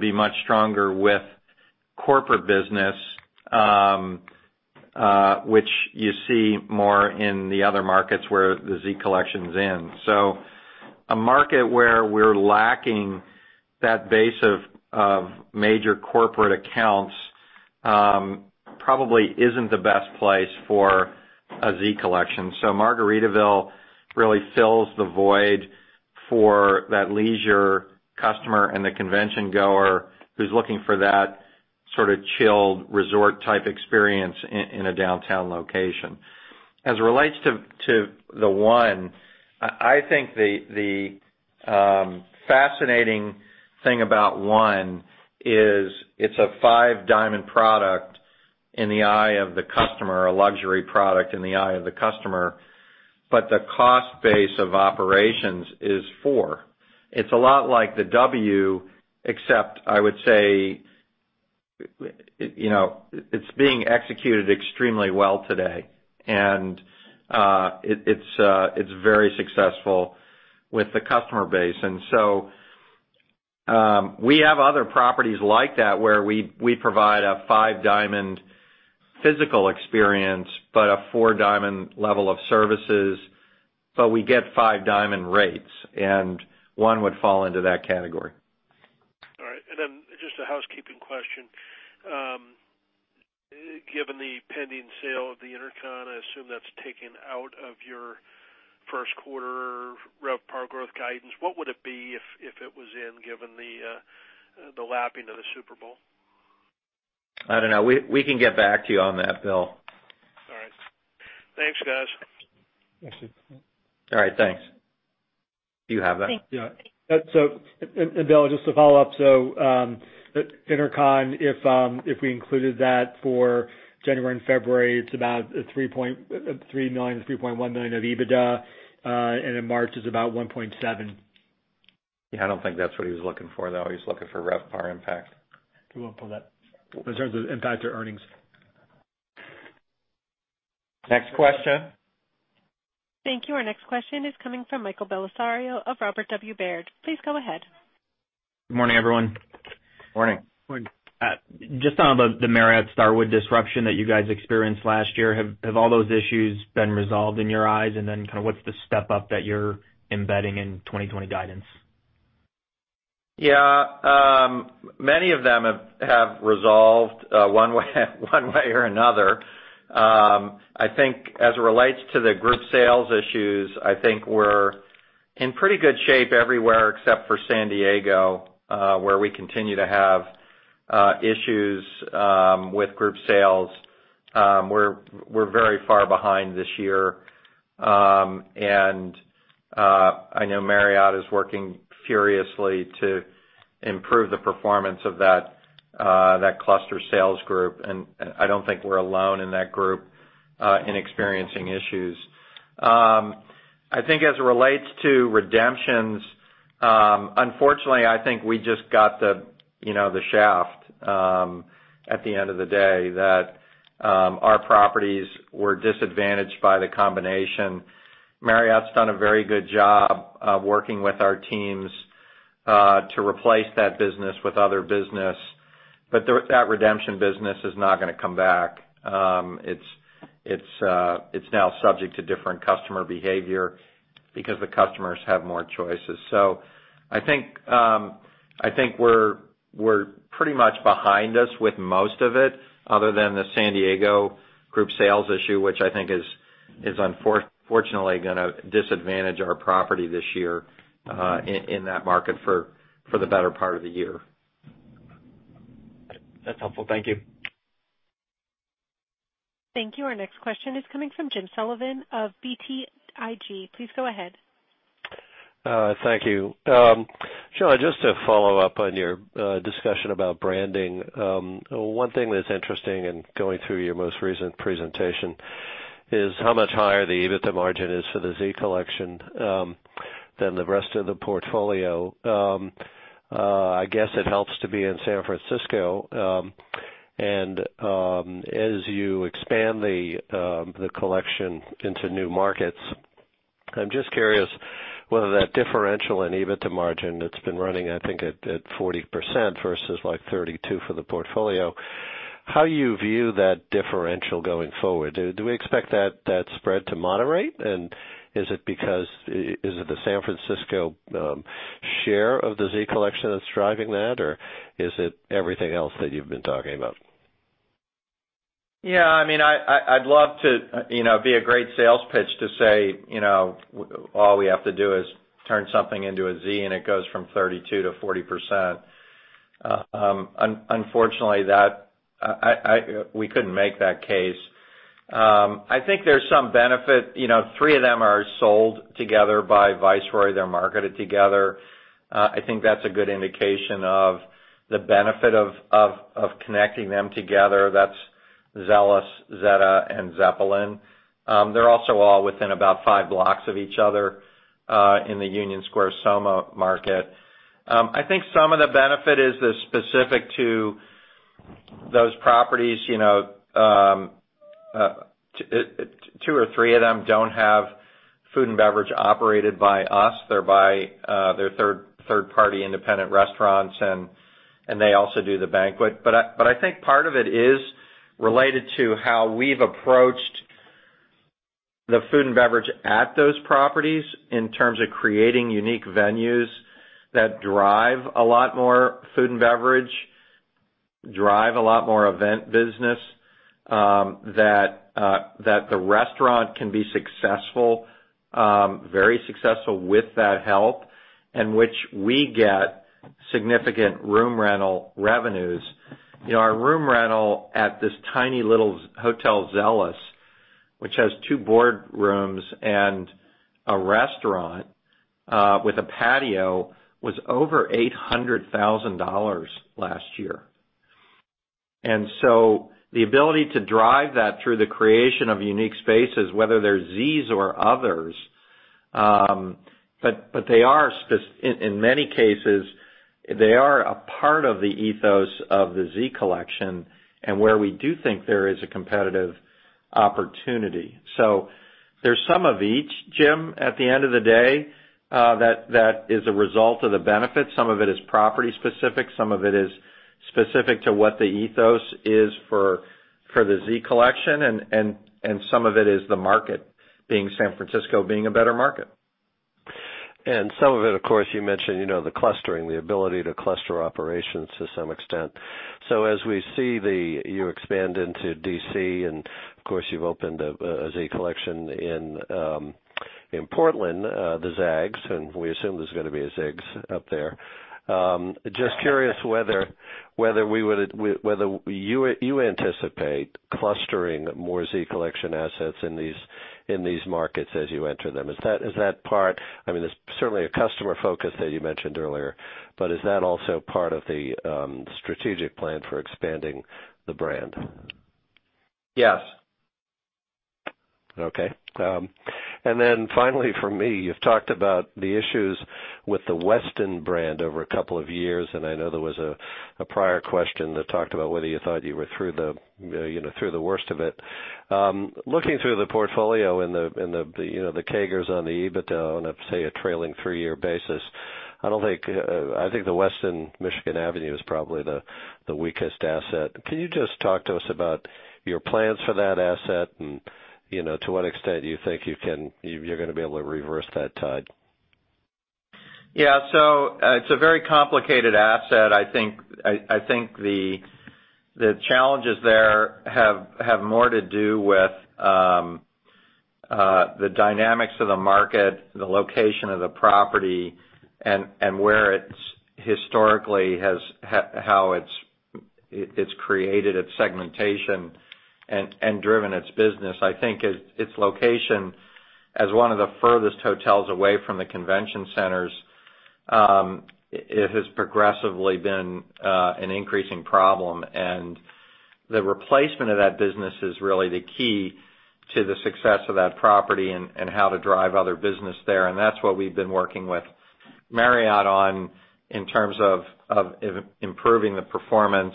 be much stronger with corporate business, which you see more in the other markets where the Z Collection's in. A market where we're lacking that base of major corporate accounts, probably isn't the best place for a Z Collection. Margaritaville really fills the void for that leisure customer and the convention-goer who's looking for that sort of chilled resort type experience in a downtown location. As it relates to the ONE, I think the fascinating thing about ONE is it's a five-diamond product in the eye of the customer, a luxury product in the eye of the customer, but the cost base of operations is four. It's a lot like the W, except I would say, it's being executed extremely well today, and it's very successful with the customer base. We have other properties like that where we provide a 5-diamond physical experience, but a four-diamond level of services, but we get five-diamond rates, and 1 would fall into that category. All right. Just a housekeeping question. Given the pending sale of the InterContinental, I assume that's taken out of your first quarter RevPAR growth guidance. What would it be if it was in, given the lapping of the Super Bowl? I don't know. We can get back to you on that, Bill. All right. Thanks, guys. All right, thanks. Do you have that? Thanks. Yeah. Bill, just to follow up, InterContinental, if we included that for January and February, it's about $3.3 million, $3.1 million of EBITDA, and in March is about $1.7 million. Yeah, I don't think that's what he was looking for, though. He was looking for RevPAR impact. We won't pull that. In terms of impact to earnings. Next question. Thank you. Our next question is coming from Michael Bellisario of Robert W. Baird. Please go ahead. Good morning, everyone. Morning. Morning. Just on the Marriott Starwood disruption that you guys experienced last year, have all those issues been resolved in your eyes? Kind of what's the step up that you're embedding in 2020 guidance? Yeah. Many of them have resolved one way or another. I think as it relates to the group sales issues, I think we're in pretty good shape everywhere except for San Diego, where we continue to have issues with group sales. We're very far behind this year. I know Marriott is working furiously to improve the performance of that cluster sales group, and I don't think we're alone in that group in experiencing issues. I think as it relates to redemptions, unfortunately, I think we just got the shaft at the end of the day that our properties were disadvantaged by the combination. Marriott's done a very good job of working with our teams to replace that business with other business, that redemption business is not going to come back. It's now subject to different customer behavior because the customers have more choices. I think we're pretty much behind this with most of it other than the San Diego group sales issue, which I think is unfortunately going to disadvantage our property this year in that market for the better part of the year. That's helpful. Thank you. Thank you. Our next question is coming from James Sullivan of BTIG. Please go ahead. Thank you. Shaun, just to follow up on your discussion about branding. One thing that's interesting in going through your most recent presentation is how much higher the EBITDA margin is for the Z Collection than the rest of the portfolio. I guess it helps to be in San Francisco. As you expand the collection into new markets, I'm just curious whether that differential in EBITDA margin that's been running, I think at 40% versus 32% for the portfolio, how you view that differential going forward. Do we expect that spread to moderate? Is it the San Francisco share of the Z Collection that's driving that, or is it everything else that you've been talking about? Yeah. I'd love to be a great sales pitch to say, all we have to do is turn something into a Z and it goes from 32%-40%. Unfortunately, we couldn't make that case. I think there's some benefit. Three of them are sold together by Viceroy. They're marketed together. I think that's a good indication of the benefit of connecting them together. That's Zelos, Zetta, and Zeppelin. They're also all within about five blocks of each other, in the Union Square SoMa market. I think some of the benefit is specific to those properties. Two or three of them don't have food and beverage operated by us. They're third-party independent restaurants, and they also do the banquet. I think part of it is related to how we've approached the food and beverage at those properties in terms of creating unique venues that drive a lot more food and beverage, drive a lot more event business, that the restaurant can be very successful with that help, and which we get significant room rental revenues. Our room rental at this tiny little hotel, Hotel Zelos, which has two boardrooms and a restaurant with a patio, was over $800,000 last year. The ability to drive that through the creation of unique spaces, whether they're Zs or others, but in many cases, they are a part of the ethos of the Z Collection and where we do think there is a competitive opportunity. There's some of each, Jim, at the end of the day, that is a result of the benefit. Some of it is property specific. Some of it is specific to what the ethos is for the Z Collection. Some of it is the market, San Francisco being a better market. Some of it, of course, you mentioned, the clustering, the ability to cluster operations to some extent. As we see you expand into D.C., and of course, you've opened a Z Collection in Portland, the Zags, and we assume there's going to be a Zags up there. Curious whether you anticipate clustering more Z Collection assets in these markets as you enter them? There's certainly a customer focus that you mentioned earlier, but is that also part of the strategic plan for expanding the brand? Yes. Okay. Finally from me, you've talked about the issues with the Westin brand over a couple of years, I know there was a prior question that talked about whether you thought you were through the worst of it. Looking through the portfolio in the CAGRs on the EBITDA on, say, a trailing three-year basis, I think The Westin Michigan Avenue is probably the weakest asset. Can you just talk to us about your plans for that asset and to what extent you think you're going to be able to reverse that tide? It's a very complicated asset. I think the challenges there have more to do with the dynamics of the market, the location of the property, and how it's created its segmentation and driven its business. I think its location as one of the furthest hotels away from the convention centers, it has progressively been an increasing problem, and the replacement of that business is really the key to the success of that property and how to drive other business there. That's what we've been working with Marriott on in terms of improving the performance.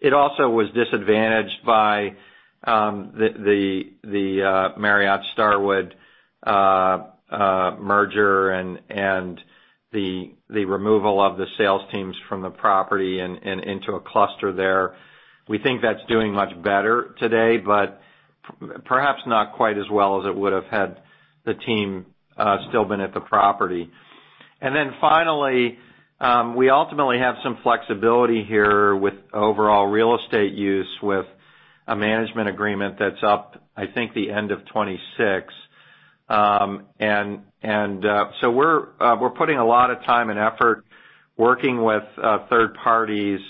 It also was disadvantaged by the Marriott-Starwood merger and the removal of the sales teams from the property and into a cluster there. We think that's doing much better today, but perhaps not quite as well as it would've had the team still been at the property. Finally, we ultimately have some flexibility here with overall real estate use, with a management agreement that's up, I think, the end of 2026. We're putting a lot of time and effort working with third parties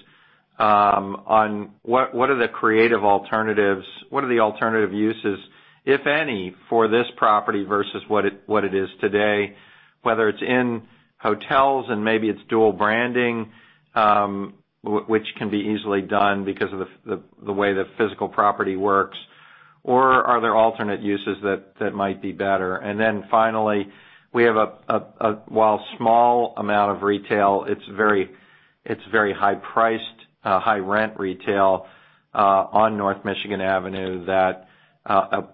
on what are the creative alternatives, what are the alternative uses, if any, for this property versus what it is today, whether it's in hotels and maybe it's dual branding, which can be easily done because of the way the physical property works. Are there alternate uses that might be better? Finally, we have, while small amount of retail, it's very high-priced, high-rent retail on North Michigan Avenue that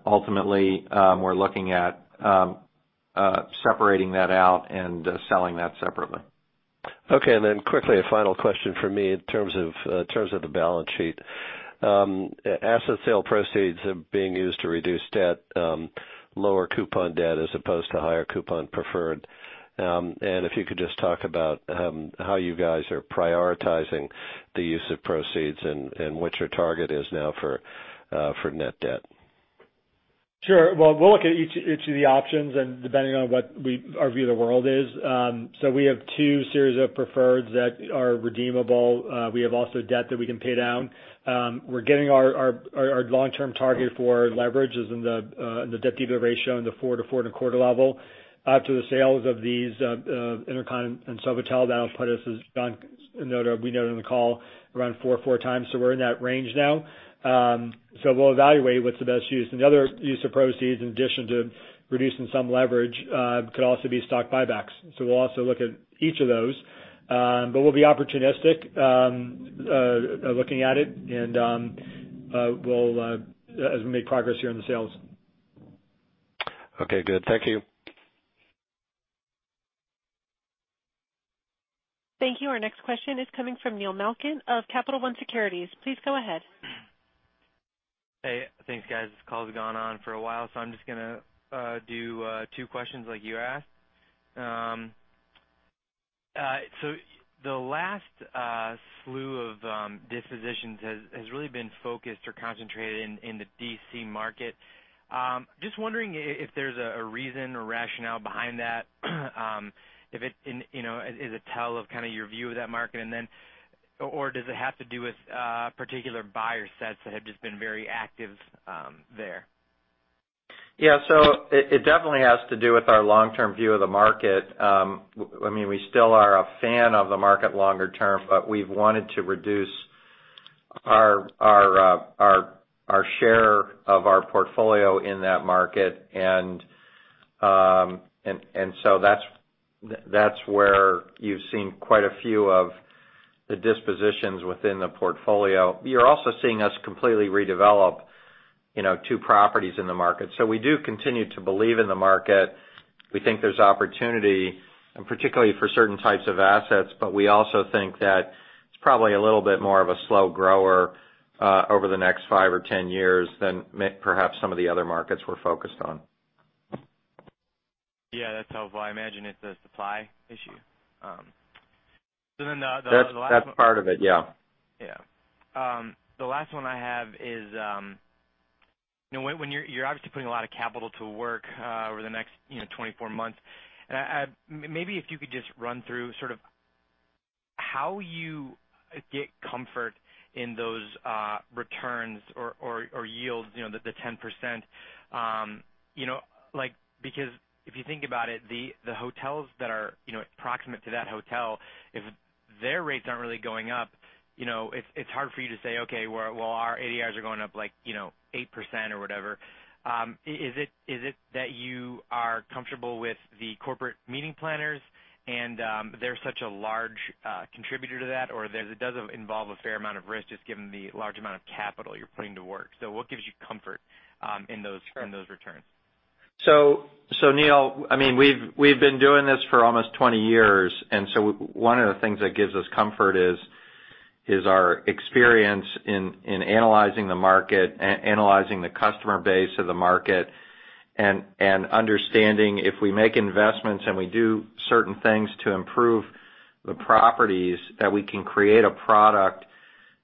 ultimately, we're looking at separating that out and selling that separately. Okay, quickly, a final question from me in terms of the balance sheet. Asset sale proceeds are being used to reduce debt, lower coupon debt as opposed to higher coupon preferred. If you could just talk about how you guys are prioritizing the use of proceeds and what your target is now for net debt. Sure. Well, we'll look at each of the options depending on what our view of the world is. We have two series of preferreds that are redeemable. We have also debt that we can pay down. We're getting our long-term target for leverage is in the debt-to-EBITDA ratio in the four to four and a quarter level. To the sales of these InterContinental and Sofitel, that'll put us, as we noted on the call, around four times. We're in that range now. We'll evaluate what's the best use. The other use of proceeds, in addition to reducing some leverage, could also be stock buybacks. We'll also look at each of those. We'll be opportunistic looking at it and as we make progress here on the sales. Okay, good. Thank you. Thank you. Our next question is coming from Neil Malkin of Capital One Securities. Please go ahead. Hey, thanks, guys. This call's gone on for a while. I'm just going to do two questions like you asked. The last slew of dispositions has really been focused or concentrated in the D.C. market. Just wondering if there's a reason or rationale behind that, is a tell of kind of your view of that market, or does it have to do with particular buyer sets that have just been very active there? It definitely has to do with our long-term view of the market. We still are a fan of the market longer term, but we've wanted to reduce our share of our portfolio in that market. That's where you've seen quite a few of the dispositions within the portfolio. You're also seeing us completely redevelop two properties in the market. We do continue to believe in the market. We think there's opportunity, and particularly for certain types of assets, but we also think that it's probably a little bit more of a slow grower over the next five or 10 years than perhaps some of the other markets we're focused on. Yeah, that's helpful. I imagine it's a supply issue. That's part of it, yeah. Yeah. The last one I have is, when you're obviously putting a lot of capital to work over the next 24 months, and maybe if you could just run through sort of how you get comfort in those returns or yields, the 10%. If you think about it, the hotels that are proximate to that hotel, if their rates aren't really going up, it's hard for you to say, "Okay, well, our ADRs are going up 8% or whatever." Is it that you are comfortable with the corporate meeting planners, and they're such a large contributor to that, or does it involve a fair amount of risk, just given the large amount of capital you're putting to work? What gives you comfort in those returns? Neil, we've been doing this for almost 20 years. One of the things that gives us comfort is our experience in analyzing the market, analyzing the customer base of the market, and understanding if we make investments and we do certain things to improve the properties, that we can create a product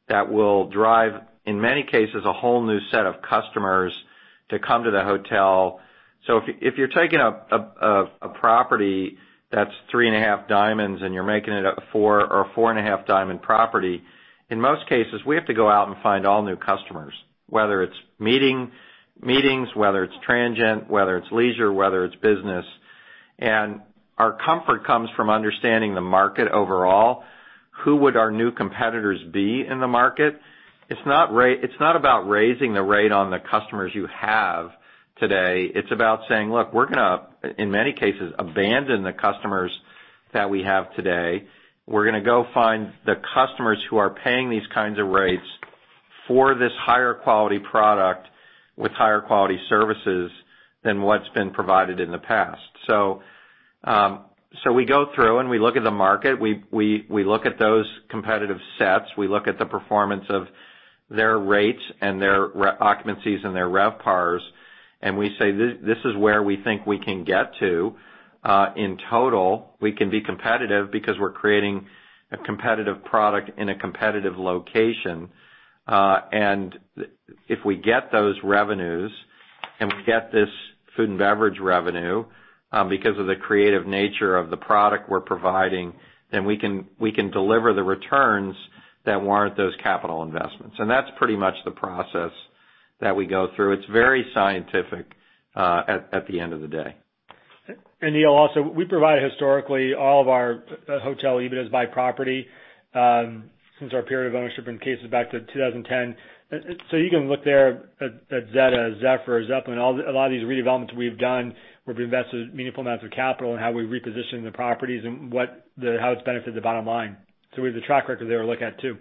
that will drive, in many cases, a whole new set of customers to come to the hotel. If you're taking a property that's three and a half diamonds and you're making it a four or a four and a half diamond property, in most cases, we have to go out and find all new customers, whether it's meetings, whether it's transient, whether it's leisure, whether it's business. Our comfort comes from understanding the market overall. Who would our new competitors be in the market? It's not about raising the rate on the customers you have today. It's about saying, "Look, we're going to, in many cases, abandon the customers that we have today. We're going to go find the customers who are paying these kinds of rates for this higher quality product with higher quality services than what's been provided in the past." We go through and we look at the market. We look at those competitive sets. We look at the performance of their rates and their occupancies and their RevPARs, and we say, "This is where we think we can get to. In total, we can be competitive because we're creating a competitive product in a competitive location. If we get those revenues and we get this food and beverage revenue because of the creative nature of the product we're providing, then we can deliver the returns that warrant those capital investments. That's pretty much the process that we go through. It's very scientific at the end of the day. Neil, also, we provide historically all of our hotel EBITDA by property since our period of ownership in cases back to 2010. You can look there at Zetta, Zephyr, Zeppelin, a lot of these redevelopments we've done, where we've invested meaningful amounts of capital and how we reposition the properties and how it's benefited the bottom line. We have the track record there to look at, too.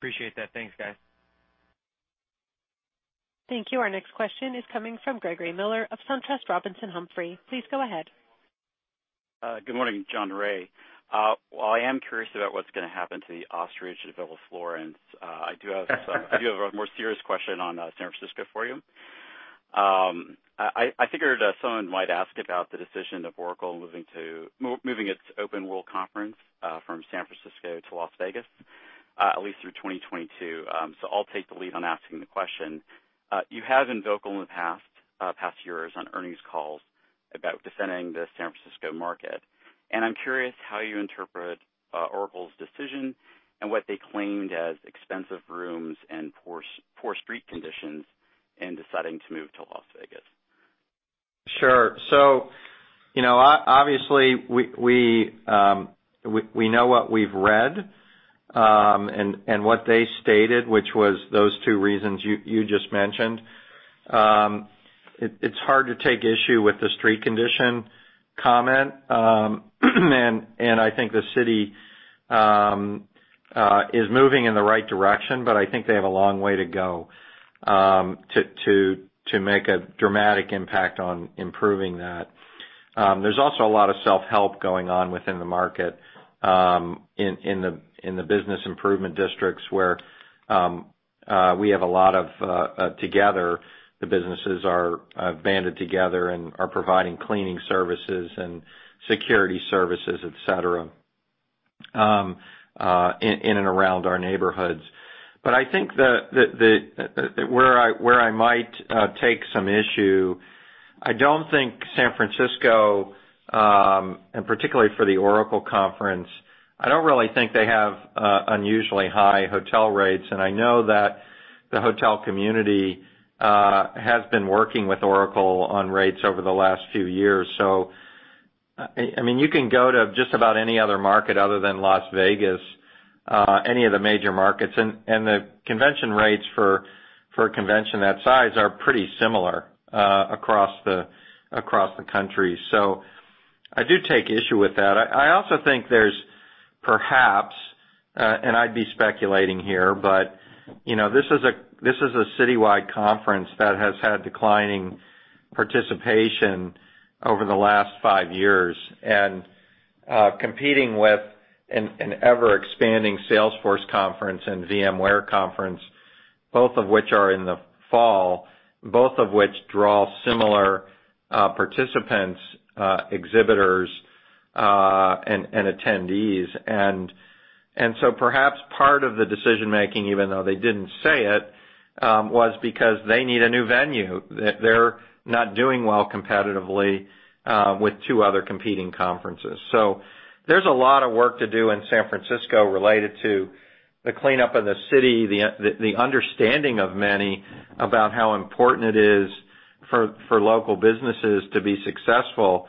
Appreciate that. Thanks, guys. Thank you. Our next question is coming from Gregory Miller of SunTrust Robinson Humphrey. Please go ahead. Good morning, Jon and Ray. While I am curious about what's going to happen to the ostrich at Villa Florence. I do have a more serious question on San Francisco for you. I figured someone might ask about the decision of Oracle moving its OpenWorld conference from San Francisco to Las Vegas, at least through 2022. I'll take the lead on asking the question. You have been vocal in the past years on earnings calls about defending the San Francisco market, and I'm curious how you interpret Oracle's decision and what they claimed as expensive rooms and poor street conditions in deciding to move to Las Vegas. Sure. Obviously, we know what we've read, and what they stated, which was those two reasons you just mentioned. It's hard to take issue with the street condition comment. I think the city is moving in the right direction, I think they have a long way to go to make a dramatic impact on improving that. There's also a lot of self-help going on within the market, in the business improvement districts, the businesses are banded together and are providing cleaning services and security services, et cetera, in and around our neighborhoods. I think where I might take some issue, I don't think San Francisco, and particularly for the Oracle conference, I don't really think they have unusually high hotel rates. I know that the hotel community has been working with Oracle on rates over the last few years. You can go to just about any other market other than Las Vegas, any of the major markets, and the convention rates for a convention that size are pretty similar across the country. I do take issue with that. I also think there's perhaps, and I'd be speculating here, but this is a citywide conference that has had declining participation over the last five years and competing with an ever-expanding Salesforce conference and VMware conference, both of which are in the fall, both of which draw similar participants, exhibitors, and attendees. Perhaps part of the decision-making, even though they didn't say it, was because they need a new venue. They're not doing well competitively with two other competing conferences. There's a lot of work to do in San Francisco related to the cleanup of the city, the understanding of many about how important it is for local businesses to be successful.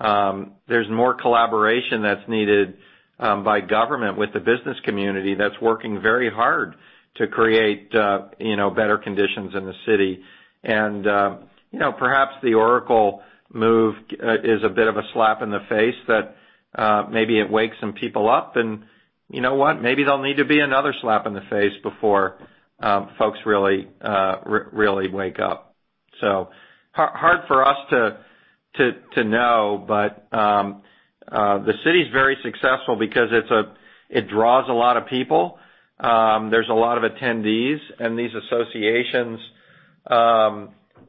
There's more collaboration that's needed by government with the business community that's working very hard to create better conditions in the city. Perhaps the Oracle move is a bit of a slap in the face that maybe it wakes some people up and maybe there'll need to be another slap in the face before folks really wake up. Hard for us to know, but the city's very successful because it draws a lot of people. There's a lot of attendees. These associations,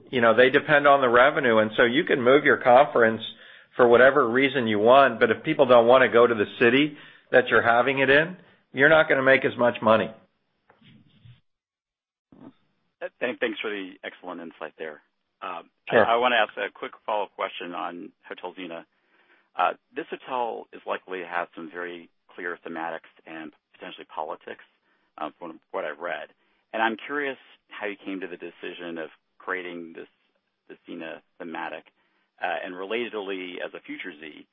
you know, they depend on the revenue. You can move your conference for whatever reason you want. If people don't want to go to the city that you're having it in, you're not going to make as much money. Thanks for the excellent insight there. Sure. I want to ask a quick follow-up question on Hotel Zena. This hotel is likely to have some very clear thematics and potentially politics, from what I've read. I'm curious how you came to the decision of creating this Zena thematic. Relatedly, as a future Z,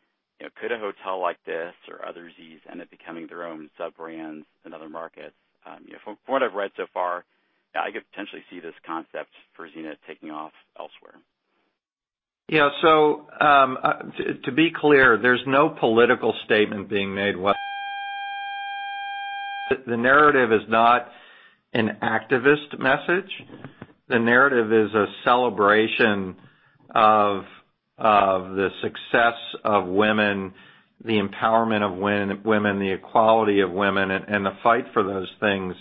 could a hotel like this or other Zs end up becoming their own sub-brands in other markets? From what I've read so far, I could potentially see this concept for Zena taking off elsewhere. Yeah. To be clear, there's no political statement being made whatsoever. The narrative is not an activist message. The narrative is a celebration of the success of women, the empowerment of women, the equality of women, and the fight for those things,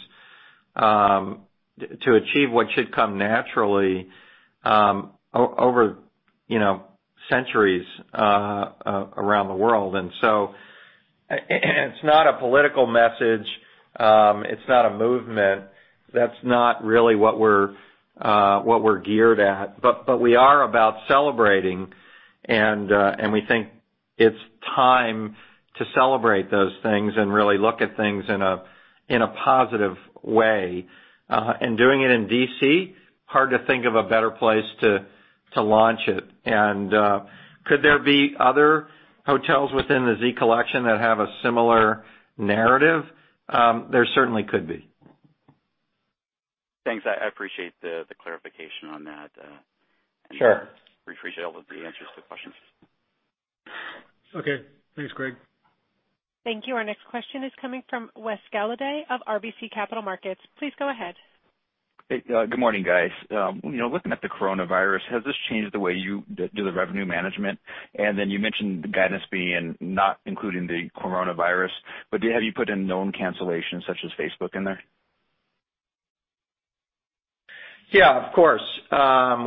to achieve what should come naturally over centuries around the world. It's not a political message. It's not a movement. That's not really what we're geared at. We are about celebrating, and we think it's time to celebrate those things and really look at things in a positive way. Doing it in D.C., hard to think of a better place to launch it. Could there be other hotels within the Z Collection that have a similar narrative? There certainly could be. Thanks. I appreciate the clarification on that. Sure. We appreciate all of the answers to questions. Okay. Thanks, Greg. Thank you. Our next question is coming from Wes Golladay of RBC Capital Markets. Please go ahead. Hey, good morning, guys. Looking at the Coronavirus, has this changed the way you do the revenue management? Then you mentioned the guidance being not including the Coronavirus, but have you put in known cancellations, such as Facebook in there? Yeah, of course.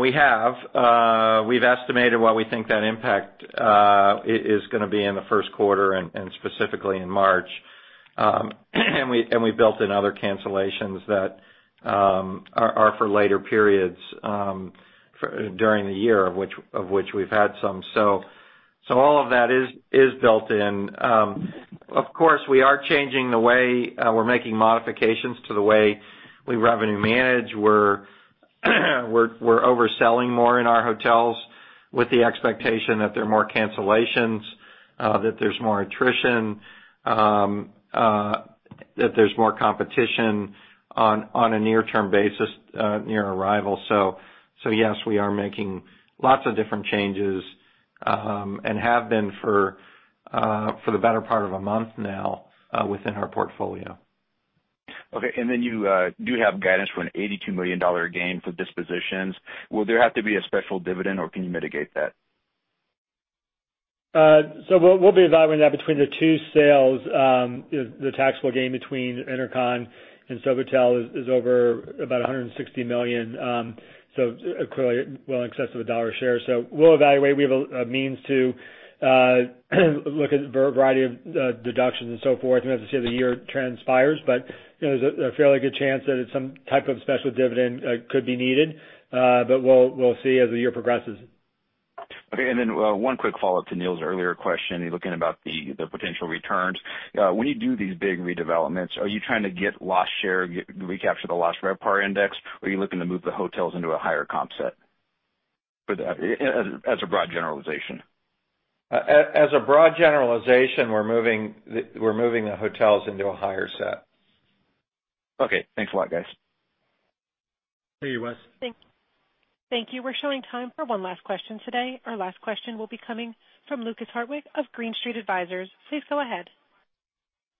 We have. We've estimated what we think that impact is going to be in the first quarter, and specifically in March. We built in other cancellations that are for later periods during the year, of which we've had some. All of that is built in. Of course, we are changing the way we're making modifications to the way we revenue manage. We're overselling more in our hotels with the expectation that there are more cancellations, that there's more attrition, that there's more competition on a near-term basis, near arrival. Yes, we are making lots of different changes, and have been for the better part of a month now within our portfolio. Okay, you do have guidance for an $82 million gain for dispositions. Will there have to be a special dividend, or can you mitigate that? We'll be evaluating that between the two sales. The taxable gain between InterContinental and Sofitel is over about $160 million, clearly well in excess of $1 a share. We'll evaluate. We have a means to look at a variety of deductions and so forth, and we have to see how the year transpires. There's a fairly good chance that some type of special dividend could be needed. We'll see as the year progresses. Okay, one quick follow-up to Neil's earlier question, looking about the potential returns. When you do these big redevelopments, are you trying to get lost share, recapture the lost RevPAR index, or are you looking to move the hotels into a higher comp set? As a broad generalization. As a broad generalization, we're moving the hotels into a higher set. Okay. Thanks a lot, guys. Thank you, Wes. Thank you. We're showing time for one last question today. Our last question will be coming from Lukas Hartwich of Green Street Advisors. Please go ahead.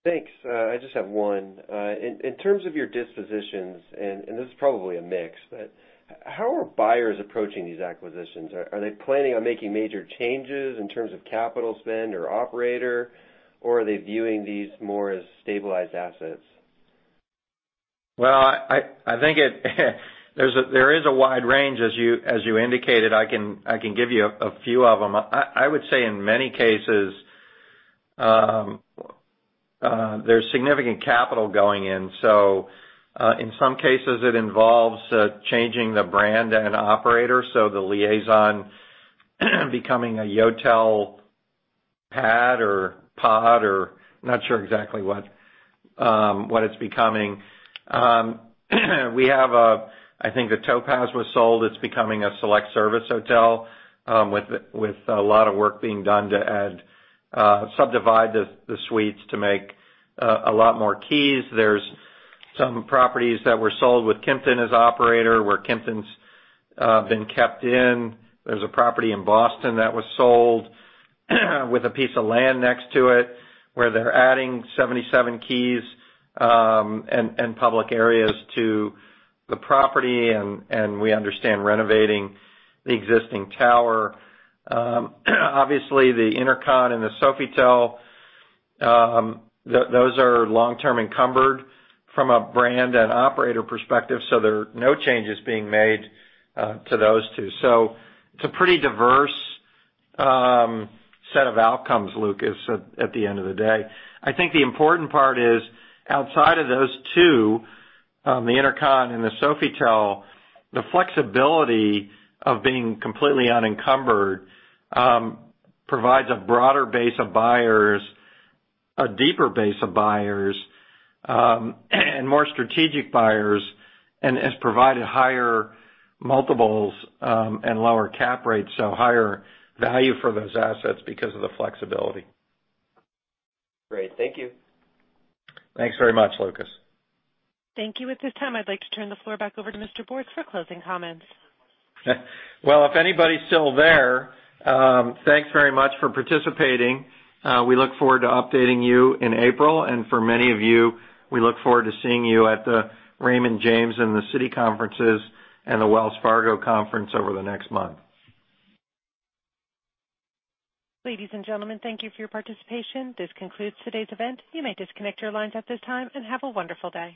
Thanks. I just have one. In terms of your dispositions, and this is probably a mix, but how are buyers approaching these acquisitions? Are they planning on making major changes in terms of capital spend or operator, or are they viewing these more as stabilized assets? Well, I think there is a wide range, as you indicated. I can give you a few of them. In many cases, there's significant capital going in. In some cases, it involves changing the brand and operator, so the Liaison becoming a Yotel pad or pod or not sure exactly what it's becoming. We have, I think the Topaz was sold. It's becoming a select service hotel, with a lot of work being done to subdivide the suites to make a lot more keys. There's some properties that were sold with Kimpton as operator, where Kimpton's been kept in. There's a property in Boston that was sold with a piece of land next to it, where they're adding 77 keys and public areas to the property, and we understand renovating the existing tower. The InterCon and the Sofitel, those are long-term encumbered from a brand and operator perspective. There are no changes being made to those two. It's a pretty diverse set of outcomes, Lukas, at the end of the day. I think the important part is outside of those two, the InterCon and the Sofitel, the flexibility of being completely unencumbered provides a broader base of buyers, a deeper base of buyers, and more strategic buyers, and has provided higher multiples and lower cap rates, higher value for those assets because of the flexibility. Great. Thank you. Thanks very much, Lukas. Thank you. At this time, I'd like to turn the floor back over to Mr. Bortz for closing comments. Well, if anybody's still there, thanks very much for participating. We look forward to updating you in April. For many of you, we look forward to seeing you at the Raymond James and the Citi conferences and the Wells Fargo conference over the next month. Ladies and gentlemen, thank you for your participation. This concludes today's event. You may disconnect your lines at this time, and have a wonderful day.